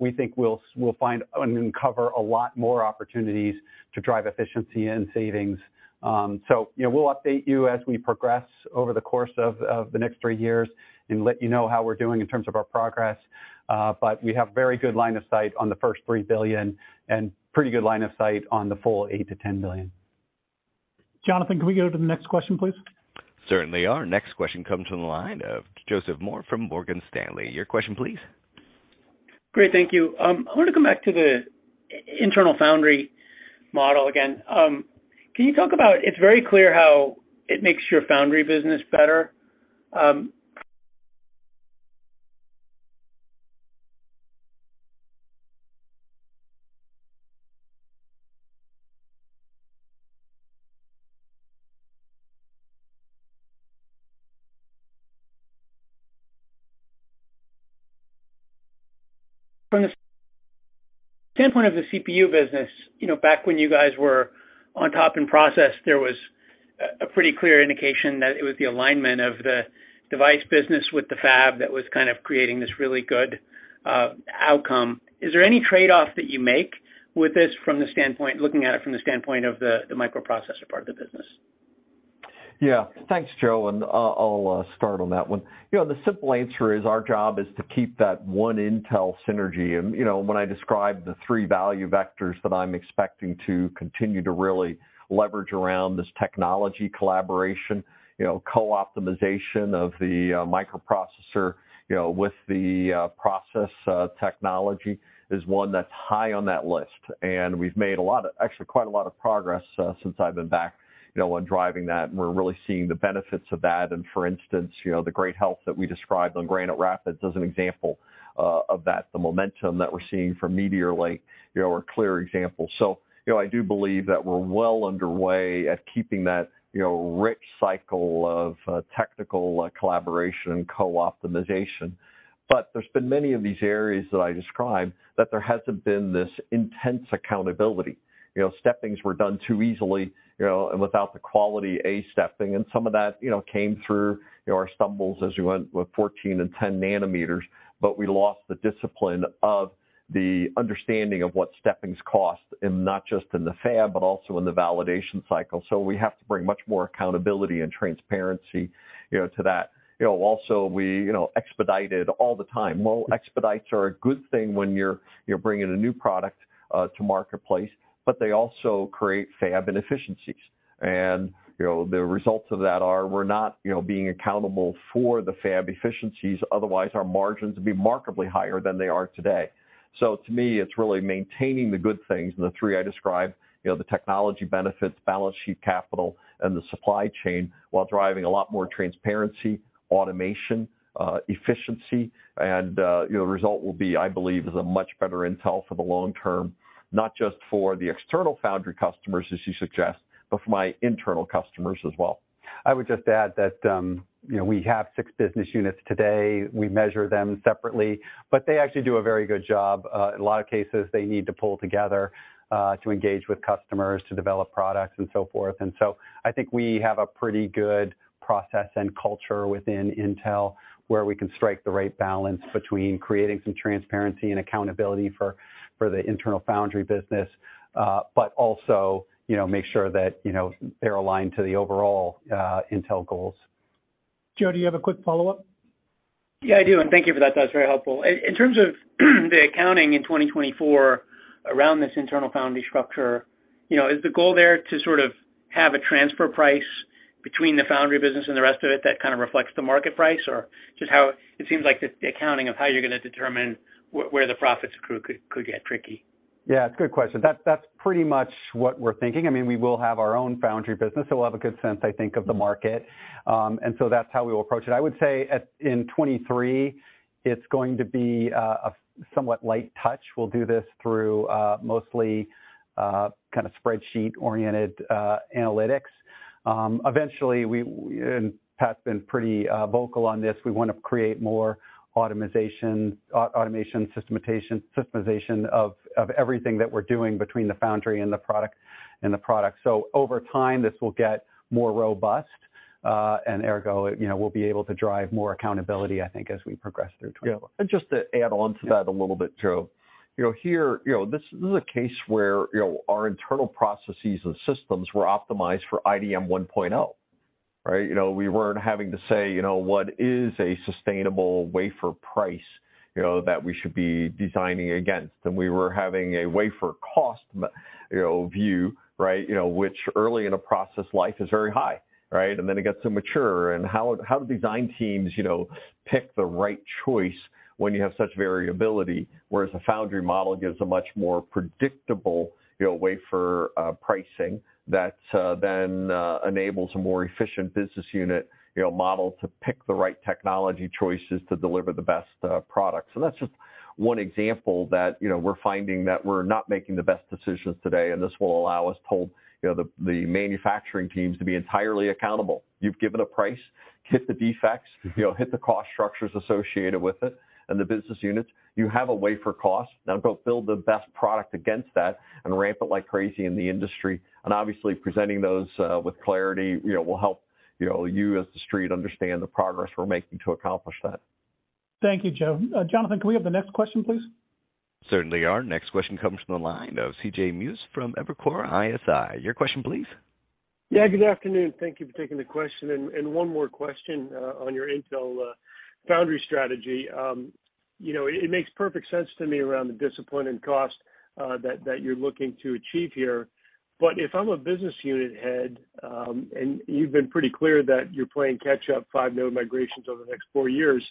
we think we'll find and uncover a lot more opportunities to drive efficiency and savings. You know, we'll update you as we progress over the course of the next three years and let you know how we're doing in terms of our progress. We have very good line of sight on the first $3 billion and pretty good line of sight on the full $8 billion-$10 billion. Jonathan, can we go to the next question, please? Certainly. Our next question comes from the line of Joseph Moore from Morgan Stanley. Your question please. Great. Thank you. I want to come back to the internal foundry model again. It's very clear how it makes your foundry business better. From the standpoint of the CPU business, you know, back when you guys were on top in process, there was a pretty clear indication that it was the alignment of the device business with the fab that was kind of creating this really good outcome. Is there any trade-off that you make with this from the standpoint of the microprocessor part of the business? Yeah. Thanks, Joe, and I'll start on that one. You know, the simple answer is our job is to keep that one Intel synergy. You know, when I describe the three value vectors that I'm expecting to continue to really leverage around this technology collaboration, you know, co-optimization of the microprocessor, you know, with the process technology is one that's high on that list. We've made actually quite a lot of progress since I've been back, you know, on driving that, and we're really seeing the benefits of that. For instance, you know, the great health that we described on Granite Rapids as an example of that, the momentum that we're seeing from Meteor Lake, you know, are clear examples. You know, I do believe that we're well underway at keeping that, you know, rich cycle of technical collaboration and co-optimization. But there's been many of these areas that I described that there hasn't been this intense accountability. You know, steppings were done too easily, you know, and without the quality A stepping, and some of that, you know, came through, you know, our stumbles as we went with 14 nm and 10 nm. But we lost the discipline of the understanding of what steppings cost, and not just in the fab, but also in the validation cycle. We have to bring much more accountability and transparency, you know, to that. You know, also we, you know, expedited all the time. Well, expedites are a good thing when you're bringing a new product to marketplace, but they also create fab inefficiencies. You know, the results of that are we're not, you know, being accountable for the fab efficiencies, otherwise our margins would be remarkably higher than they are today. To me, it's really maintaining the good things and the three I described, you know, the technology benefits, balance sheet capital, and the supply chain, while driving a lot more transparency, automation, efficiency. You know, the result will be, I believe, is a much better Intel for the long term, not just for the external foundry customers, as you suggest, but for my internal customers as well. I would just add that, you know, we have six business units today. We measure them separately, but they actually do a very good job. In a lot of cases, they need to pull together to engage with customers, to develop products, and so forth. I think we have a pretty good process and culture within Intel where we can strike the right balance between creating some transparency and accountability for the internal foundry business, but also, you know, make sure that, you know, they're aligned to the overall Intel goals. Joe, do you have a quick follow-up? Yeah, I do, and thank you for that. That was very helpful. In terms of the accounting in 2024 around this internal foundry structure, you know, is the goal there to sort of have a transfer price between the foundry business and the rest of it that kind of reflects the market price? It seems like the accounting of how you're gonna determine where the profits accrue could get tricky. Yeah, it's a good question. That's pretty much what we're thinking. I mean, we will have our own foundry business, so we'll have a good sense, I think, of the market. That's how we will approach it. I would say in 2023, it's going to be a somewhat light touch. We'll do this through mostly kind of spreadsheet-oriented analytics. Eventually, and Pat's been pretty vocal on this, we want to create more automation, systematization, systemization of everything that we're doing between the foundry and the product. Over time, this will get more robust, and ergo, you know, we'll be able to drive more accountability, I think, as we progress through 2024. Yeah. Just to add on to that a little bit, Joe. You know, here, you know, this is a case where, you know, our internal processes and systems were optimized for IDM 1.0, right? You know, we weren't having to say, you know, what is a sustainable wafer price, you know, that we should be designing against. We were having a wafer cost, you know, view, right, you know, which early in a process life is very high, right? Then it gets to mature, and how do design teams, you know, pick the right choice when you have such variability? Whereas a foundry model gives a much more predictable, you know, wafer pricing that then enables a more efficient business unit, you know, model to pick the right technology choices to deliver the best products. That's just one example that, you know, we're finding that we're not making the best decisions today, and this will allow us to hold, you know, the manufacturing teams to be entirely accountable. You've given a price, hit the defects, you know, hit the cost structures associated with it and the business units. You have a wafer cost. Now go build the best product against that and ramp it like crazy in the industry. Obviously, presenting those with clarity, you know, will help, you know, you as the street understand the progress we're making to accomplish that. Thank you, Joe. Jonathan, can we have the next question, please? Certainly. Our next question comes from the line of CJ Muse from Evercore ISI. Your question please. Yeah, good afternoon. Thank you for taking the question. One more question on your Intel foundry strategy. You know, it makes perfect sense to me around the discipline and cost that you're looking to achieve here. If I'm a business unit head and you've been pretty clear that you're playing catch-up 5 node migrations over the next four years.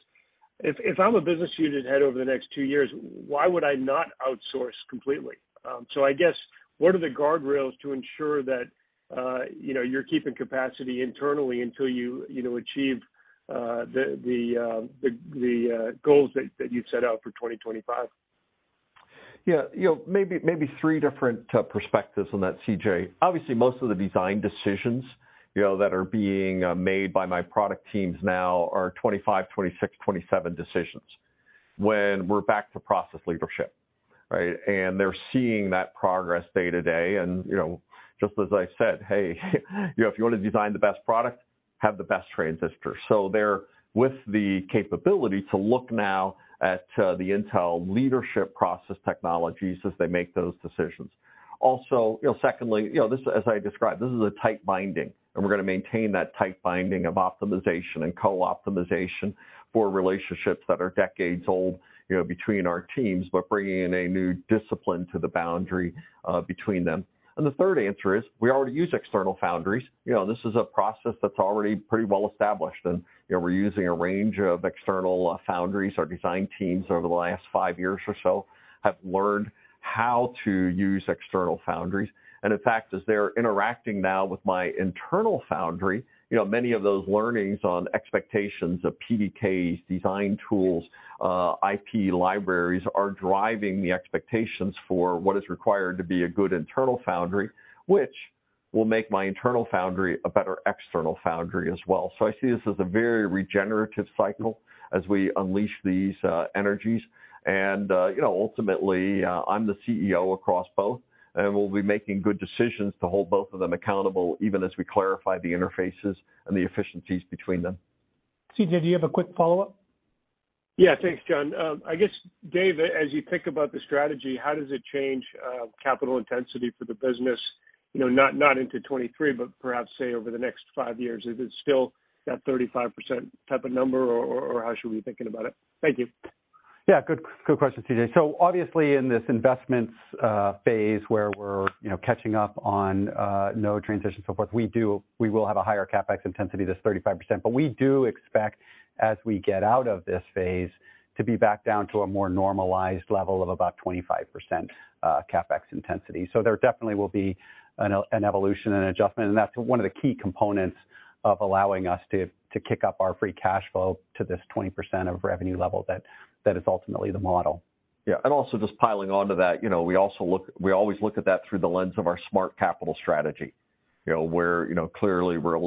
If I'm a business unit head over the next two years, why would I not outsource completely? I guess, what are the guardrails to ensure that you know, you're keeping capacity internally until you know, achieve the goals that you've set out for 2025? Yeah. You know, maybe three different perspectives on that, CJ. Obviously, most of the design decisions, you know, that are being made by my product teams now are 2025, 2026, 2027 decisions when we're back to process leadership, right? They're seeing that progress day to day. You know, just as I said, "Hey, you know, if you wanna design the best product, have the best transistor." They're with the capability to look now at the Intel-leading process technologies as they make those decisions. Also, you know, secondly, you know, this as I described, this is a tight binding, and we're gonna maintain that tight binding of optimization and co-optimization for relationships that are decades old, you know, between our teams, but bringing in a new discipline to the boundary between them. The third answer is, we already use external foundries. You know, this is a process that's already pretty well established, and, you know, we're using a range of external foundries. Our design teams over the last five years or so have learned how to use external foundries. In fact, as they're interacting now with my internal foundry, you know, many of those learnings on expectations of PDK's design tools, IP libraries are driving the expectations for what is required to be a good internal foundry, which will make my internal foundry a better external foundry as well. I see this as a very regenerative cycle as we unleash these energies. You know, ultimately, I'm the CEO across both, and we'll be making good decisions to hold both of them accountable, even as we clarify the interfaces and the efficiencies between them. CJ, do you have a quick follow-up? Yeah. Thanks, John. I guess, Dave, as you think about the strategy, how does it change capital intensity for the business, you know, not into 2023, but perhaps, say, over the next five years? Is it still that 35% type of number, or how should we be thinking about it? Thank you. Yeah. Good question, CJ. Obviously, in this investments phase where we're, you know, catching up on node transitions, so forth, we will have a higher CapEx intensity that's 35%. We do expect, as we get out of this phase, to be back down to a more normalized level of about 25% CapEx intensity. There definitely will be an evolution and adjustment, and that's one of the key components of allowing us to kick up our free cash flow to this 20% of revenue level that is ultimately the model. Yeah. Also just piling onto that. You know, we always look at that through the lens of our smart capital strategy. You know, where, you know, clearly we're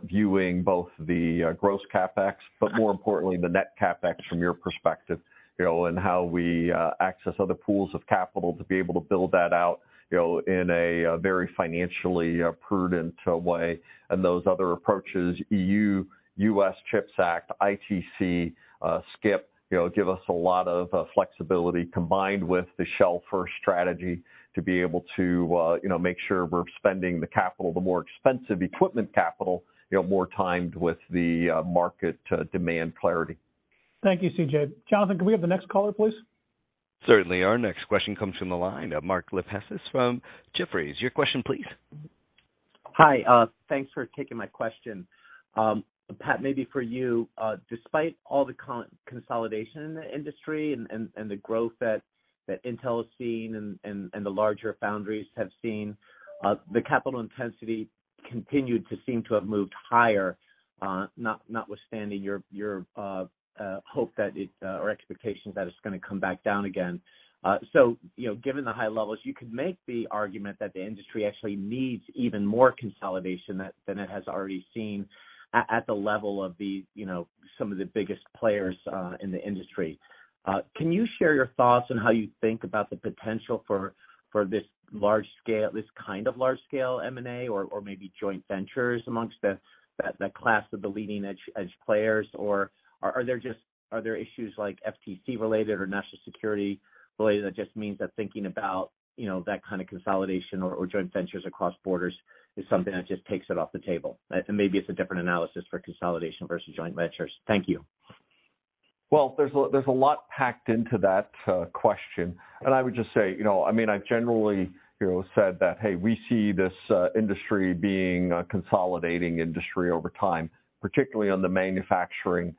viewing both the gross CapEx, but more importantly, the net CapEx from your perspective, you know, and how we access other pools of capital to be able to build that out, you know, in a very financially prudent way. Those other approaches, E.U., U.S. CHIPS Act, ITC, SCIP, you know, give us a lot of flexibility combined with the sell first strategy to be able to, you know, make sure we're spending the capital, the more expensive equipment capital, you know, more timed with the market demand clarity. Thank you, CJ. Jonathan, can we have the next caller, please? Certainly. Our next question comes from the line of Mark Lipacis from Jefferies. Your question please. Hi. Thanks for taking my question. Pat, maybe for you. Despite all the consolidation in the industry and the growth that Intel has seen and the larger foundries have seen, the capital intensity continued to seem to have moved higher, notwithstanding your hope that it or expectations that it's gonna come back down again. You know, given the high levels, you could make the argument that the industry actually needs even more consolidation than it has already seen at the level of, you know, some of the biggest players in the industry. Can you share your thoughts on how you think about the potential for this kind of large scale M&A or maybe joint ventures among the class of the leading edge players, or are there issues like FTC related or national security related that just means that thinking about, you know, that kind of consolidation or joint ventures across borders is something that just takes it off the table? Maybe it's a different analysis for consolidation versus joint ventures. Thank you. Well, there's a lot packed into that question. I would just say, you know, I mean, I've generally, you know, said that, hey, we see this industry being a consolidating industry over time, particularly on the manufacturing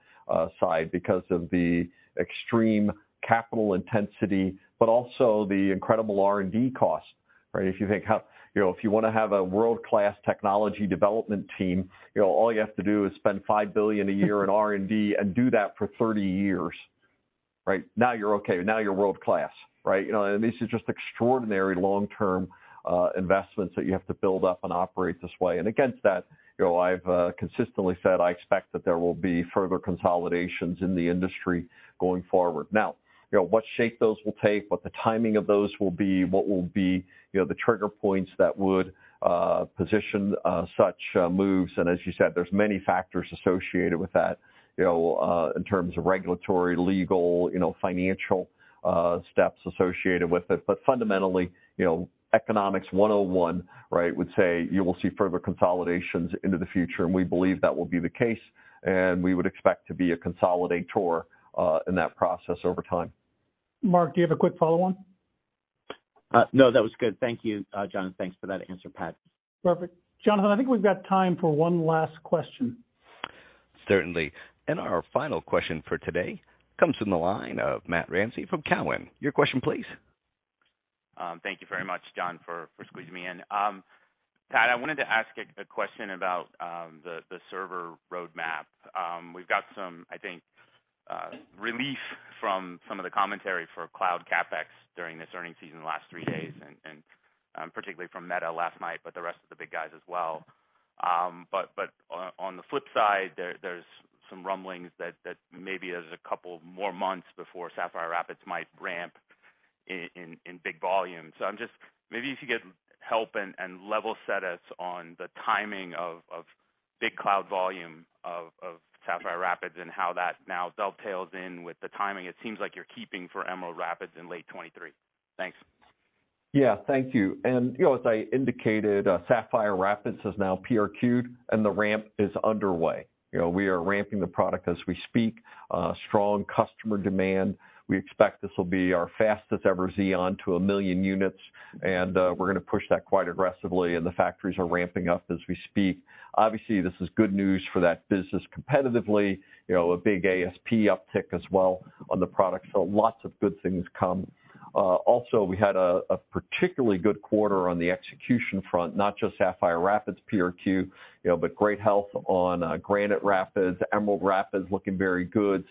side, because of the extreme capital intensity, but also the incredible R&D costs, right? If you think, you know, if you wanna have a world-class technology development team, you know, all you have to do is spend $5 billion a year in R&D and do that for 30 years, right? Now you're okay. Now you're world-class, right? You know, and this is just extraordinary, long-term investments that you have to build up and operate this way. Against that, you know, I've consistently said, I expect that there will be further consolidations in the industry going forward. Now, you know, what shape those will take, what the timing of those will be, what will be, you know, the trigger points that would position such moves, and as you said, there's many factors associated with that, you know, in terms of regulatory, legal, you know, financial steps associated with it. Fundamentally, you know, Economics 101, right, would say you will see further consolidations into the future, and we believe that will be the case, and we would expect to be a consolidator in that process over time. Mark, do you have a quick follow-on? No, that was good. Thank you, John. Thanks for that answer, Pat. Perfect. Jonathan, I think we've got time for one last question. Certainly. Our final question for today comes from the line of Matt Ramsay from Cowen. Your question please. Thank you very much, John, for squeezing me in. Pat, I wanted to ask a question about the server roadmap. We've got some, I think, relief from some of the commentary for cloud CapEx during this earnings season, the last three days, and particularly from Meta last night, but the rest of the big guys as well. On the flip side, there's some rumblings that maybe there's a couple more months before Sapphire Rapids might ramp in big volume. Maybe if you could help and level set us on the timing of big cloud volume of Sapphire Rapids and how that now dovetails in with the timing it seems like you're keeping for Emerald Rapids in late 2023. Thanks. Yeah, thank you. You know, as I indicated, Sapphire Rapids is now PRQ'd, and the ramp is underway. You know, we are ramping the product as we speak. Strong customer demand. We expect this will be our fastest ever Xeon to 1 million units, and we're gonna push that quite aggressively, and the factories are ramping up as we speak. Obviously, this is good news for that business competitively, you know, a big ASP uptick as well on the product, so lots of good things come. Also, we had a particularly good quarter on the execution front, not just Sapphire Rapids PRQ, you know, but great health on Granite Rapids, Emerald Rapids looking very good,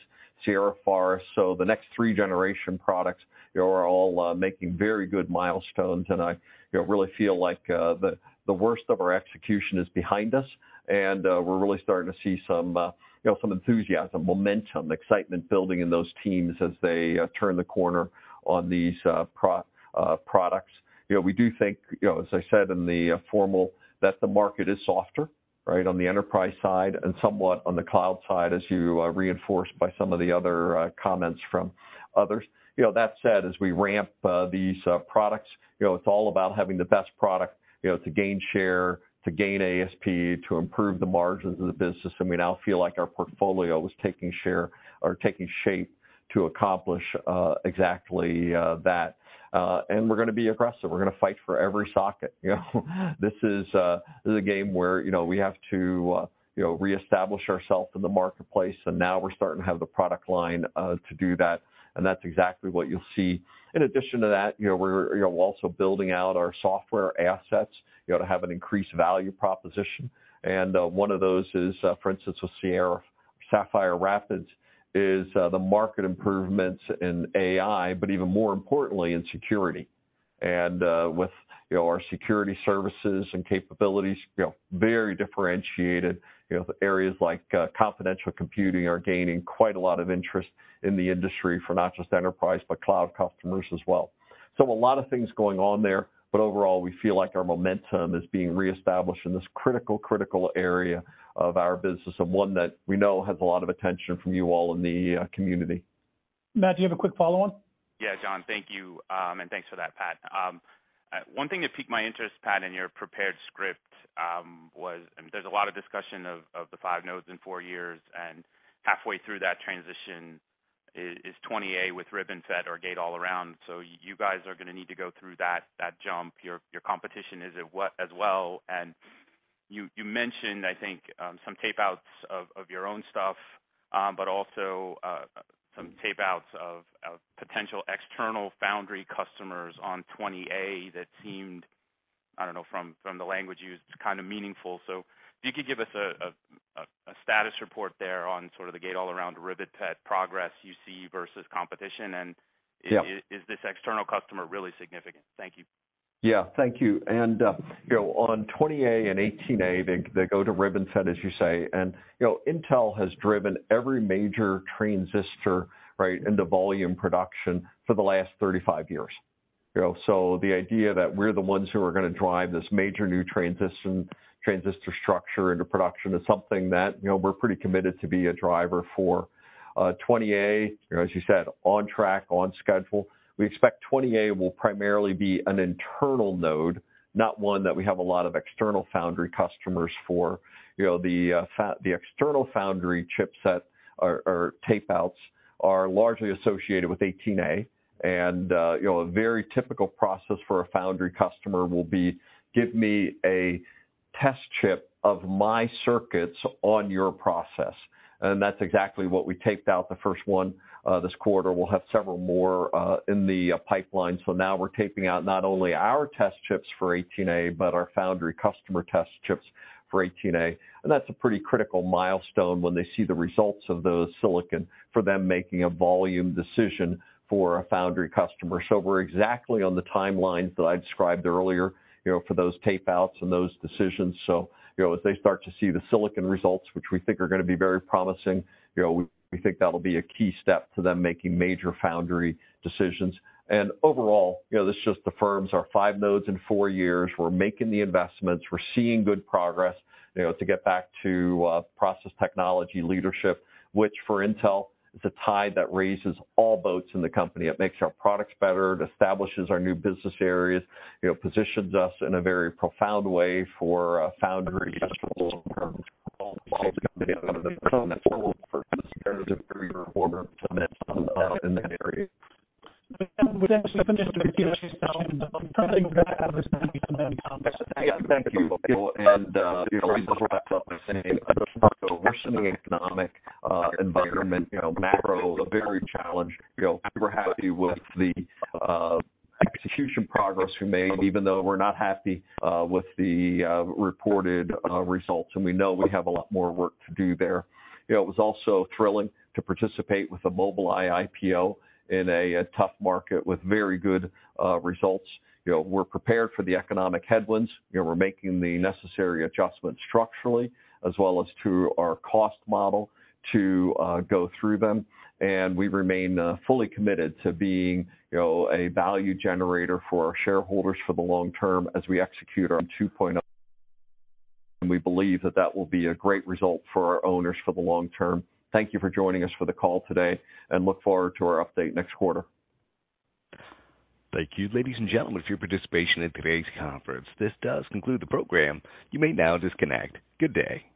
Sierra Forest. The next three-generation products, you know, are all making very good milestones. I, you know, really feel like the worst of our execution is behind us, and we're really starting to see some, you know, some enthusiasm, momentum, excitement building in those teams as they turn the corner on these products. You know, we do think, you know, as I said in the formal, that the market is softer, right, on the enterprise side and somewhat on the cloud side as you reinforce by some of the other comments from others. You know, that said, as we ramp these products, you know, it's all about having the best product, you know, to gain share, to gain ASP, to improve the margins of the business. We now feel like our portfolio is taking share or taking shape to accomplish exactly that. We're gonna be aggressive. We're gonna fight for every socket, you know. This is a game where, you know, we have to, you know, reestablish ourselves in the marketplace, and now we're starting to have the product line to do that, and that's exactly what you'll see. In addition to that, you know, we're, you know, also building out our software assets, you know, to have an increased value proposition. One of those is, for instance, with Sapphire Rapids, the marked improvements in AI, but even more importantly, in security. With our security services and capabilities, you know, very differentiated. You know, areas like confidential computing are gaining quite a lot of interest in the industry for not just enterprise but cloud customers as well. A lot of things going on there, but overall, we feel like our momentum is being reestablished in this critical area of our business, and one that we know has a lot of attention from you all in the community. Matt, do you have a quick follow-on? Yeah, John. Thank you. And thanks for that, Pat. One thing that piqued my interest, Pat, in your prepared script, was, and there's a lot of discussion of the 5 nodes in four years, and halfway through that transition is 20A with RibbonFET or Gate-All-Around. So you guys are gonna need to go through that jump. Your competition is at what as well, and you mentioned, I think, some tape-outs of your own stuff, but also some tape-outs of potential external foundry customers on 20A that seemed, I don't know, from the language used, kind of meaningful. So if you could give us a status report there on sort of the Gate-All-Around RibbonFET progress you see versus competition, and- Yeah. Is this external customer really significant? Thank you. Yeah. Thank you. You know, on 20A and 18A, they go to RibbonFET, as you say. You know, Intel has driven every major transistor, right, into volume production for the last 35 years. You know? The idea that we're the ones who are gonna drive this major new transition, transistor structure into production is something that, you know, we're pretty committed to be a driver for. 20-A, you know, as you said, on track, on schedule. We expect 20A will primarily be an internal node, not one that we have a lot of external foundry customers for. You know, the external foundry chipset or tape outs are largely associated with 18A. You know, a very typical process for a foundry customer will be, "Give me a test chip of my circuits on your process." That's exactly what we taped out the first one this quarter. We'll have several more in the pipeline. Now we're taping out not only our test chips for 18A, but our foundry customer test chips for 18A. That's a pretty critical milestone when they see the results of those silicon for them making a volume decision for a foundry customer. We're exactly on the timelines that I described earlier, you know, for those tape outs and those decisions. You know, as they start to see the silicon results, which we think are gonna be very promising, you know, we think that'll be a key step to them making major foundry decisions. Overall, you know, this just affirms our 5 nodes in four years. We're making the investments, we're seeing good progress, you know, to get back to process technology leadership, which for Intel is a tide that raises all boats in the company. It makes our products better. It establishes our new business areas. You know, positions us in a very profound way for foundry customers in that area. Yeah. Thank you. You know, as I wrap up by saying a worsening economic environment, you know, macro is a very challenging. You know, we're happy with the execution progress we made, even though we're not happy with the reported results, and we know we have a lot more work to do there. You know, it was also thrilling to participate with the Mobileye IPO in a tough market with very good results. You know, we're prepared for the economic headwinds. You know, we're making the necessary adjustments structurally as well as to our cost model to go through them. We remain fully committed to being, you know, a value generator for our shareholders for the long term as we execute our 2.0. We believe that will be a great result for our owners for the long term. Thank you for joining us for the call today and look forward to our update next quarter. Thank you. Ladies and gentlemen, for your participation in today's conference, this does conclude the program. You may now disconnect. Good day.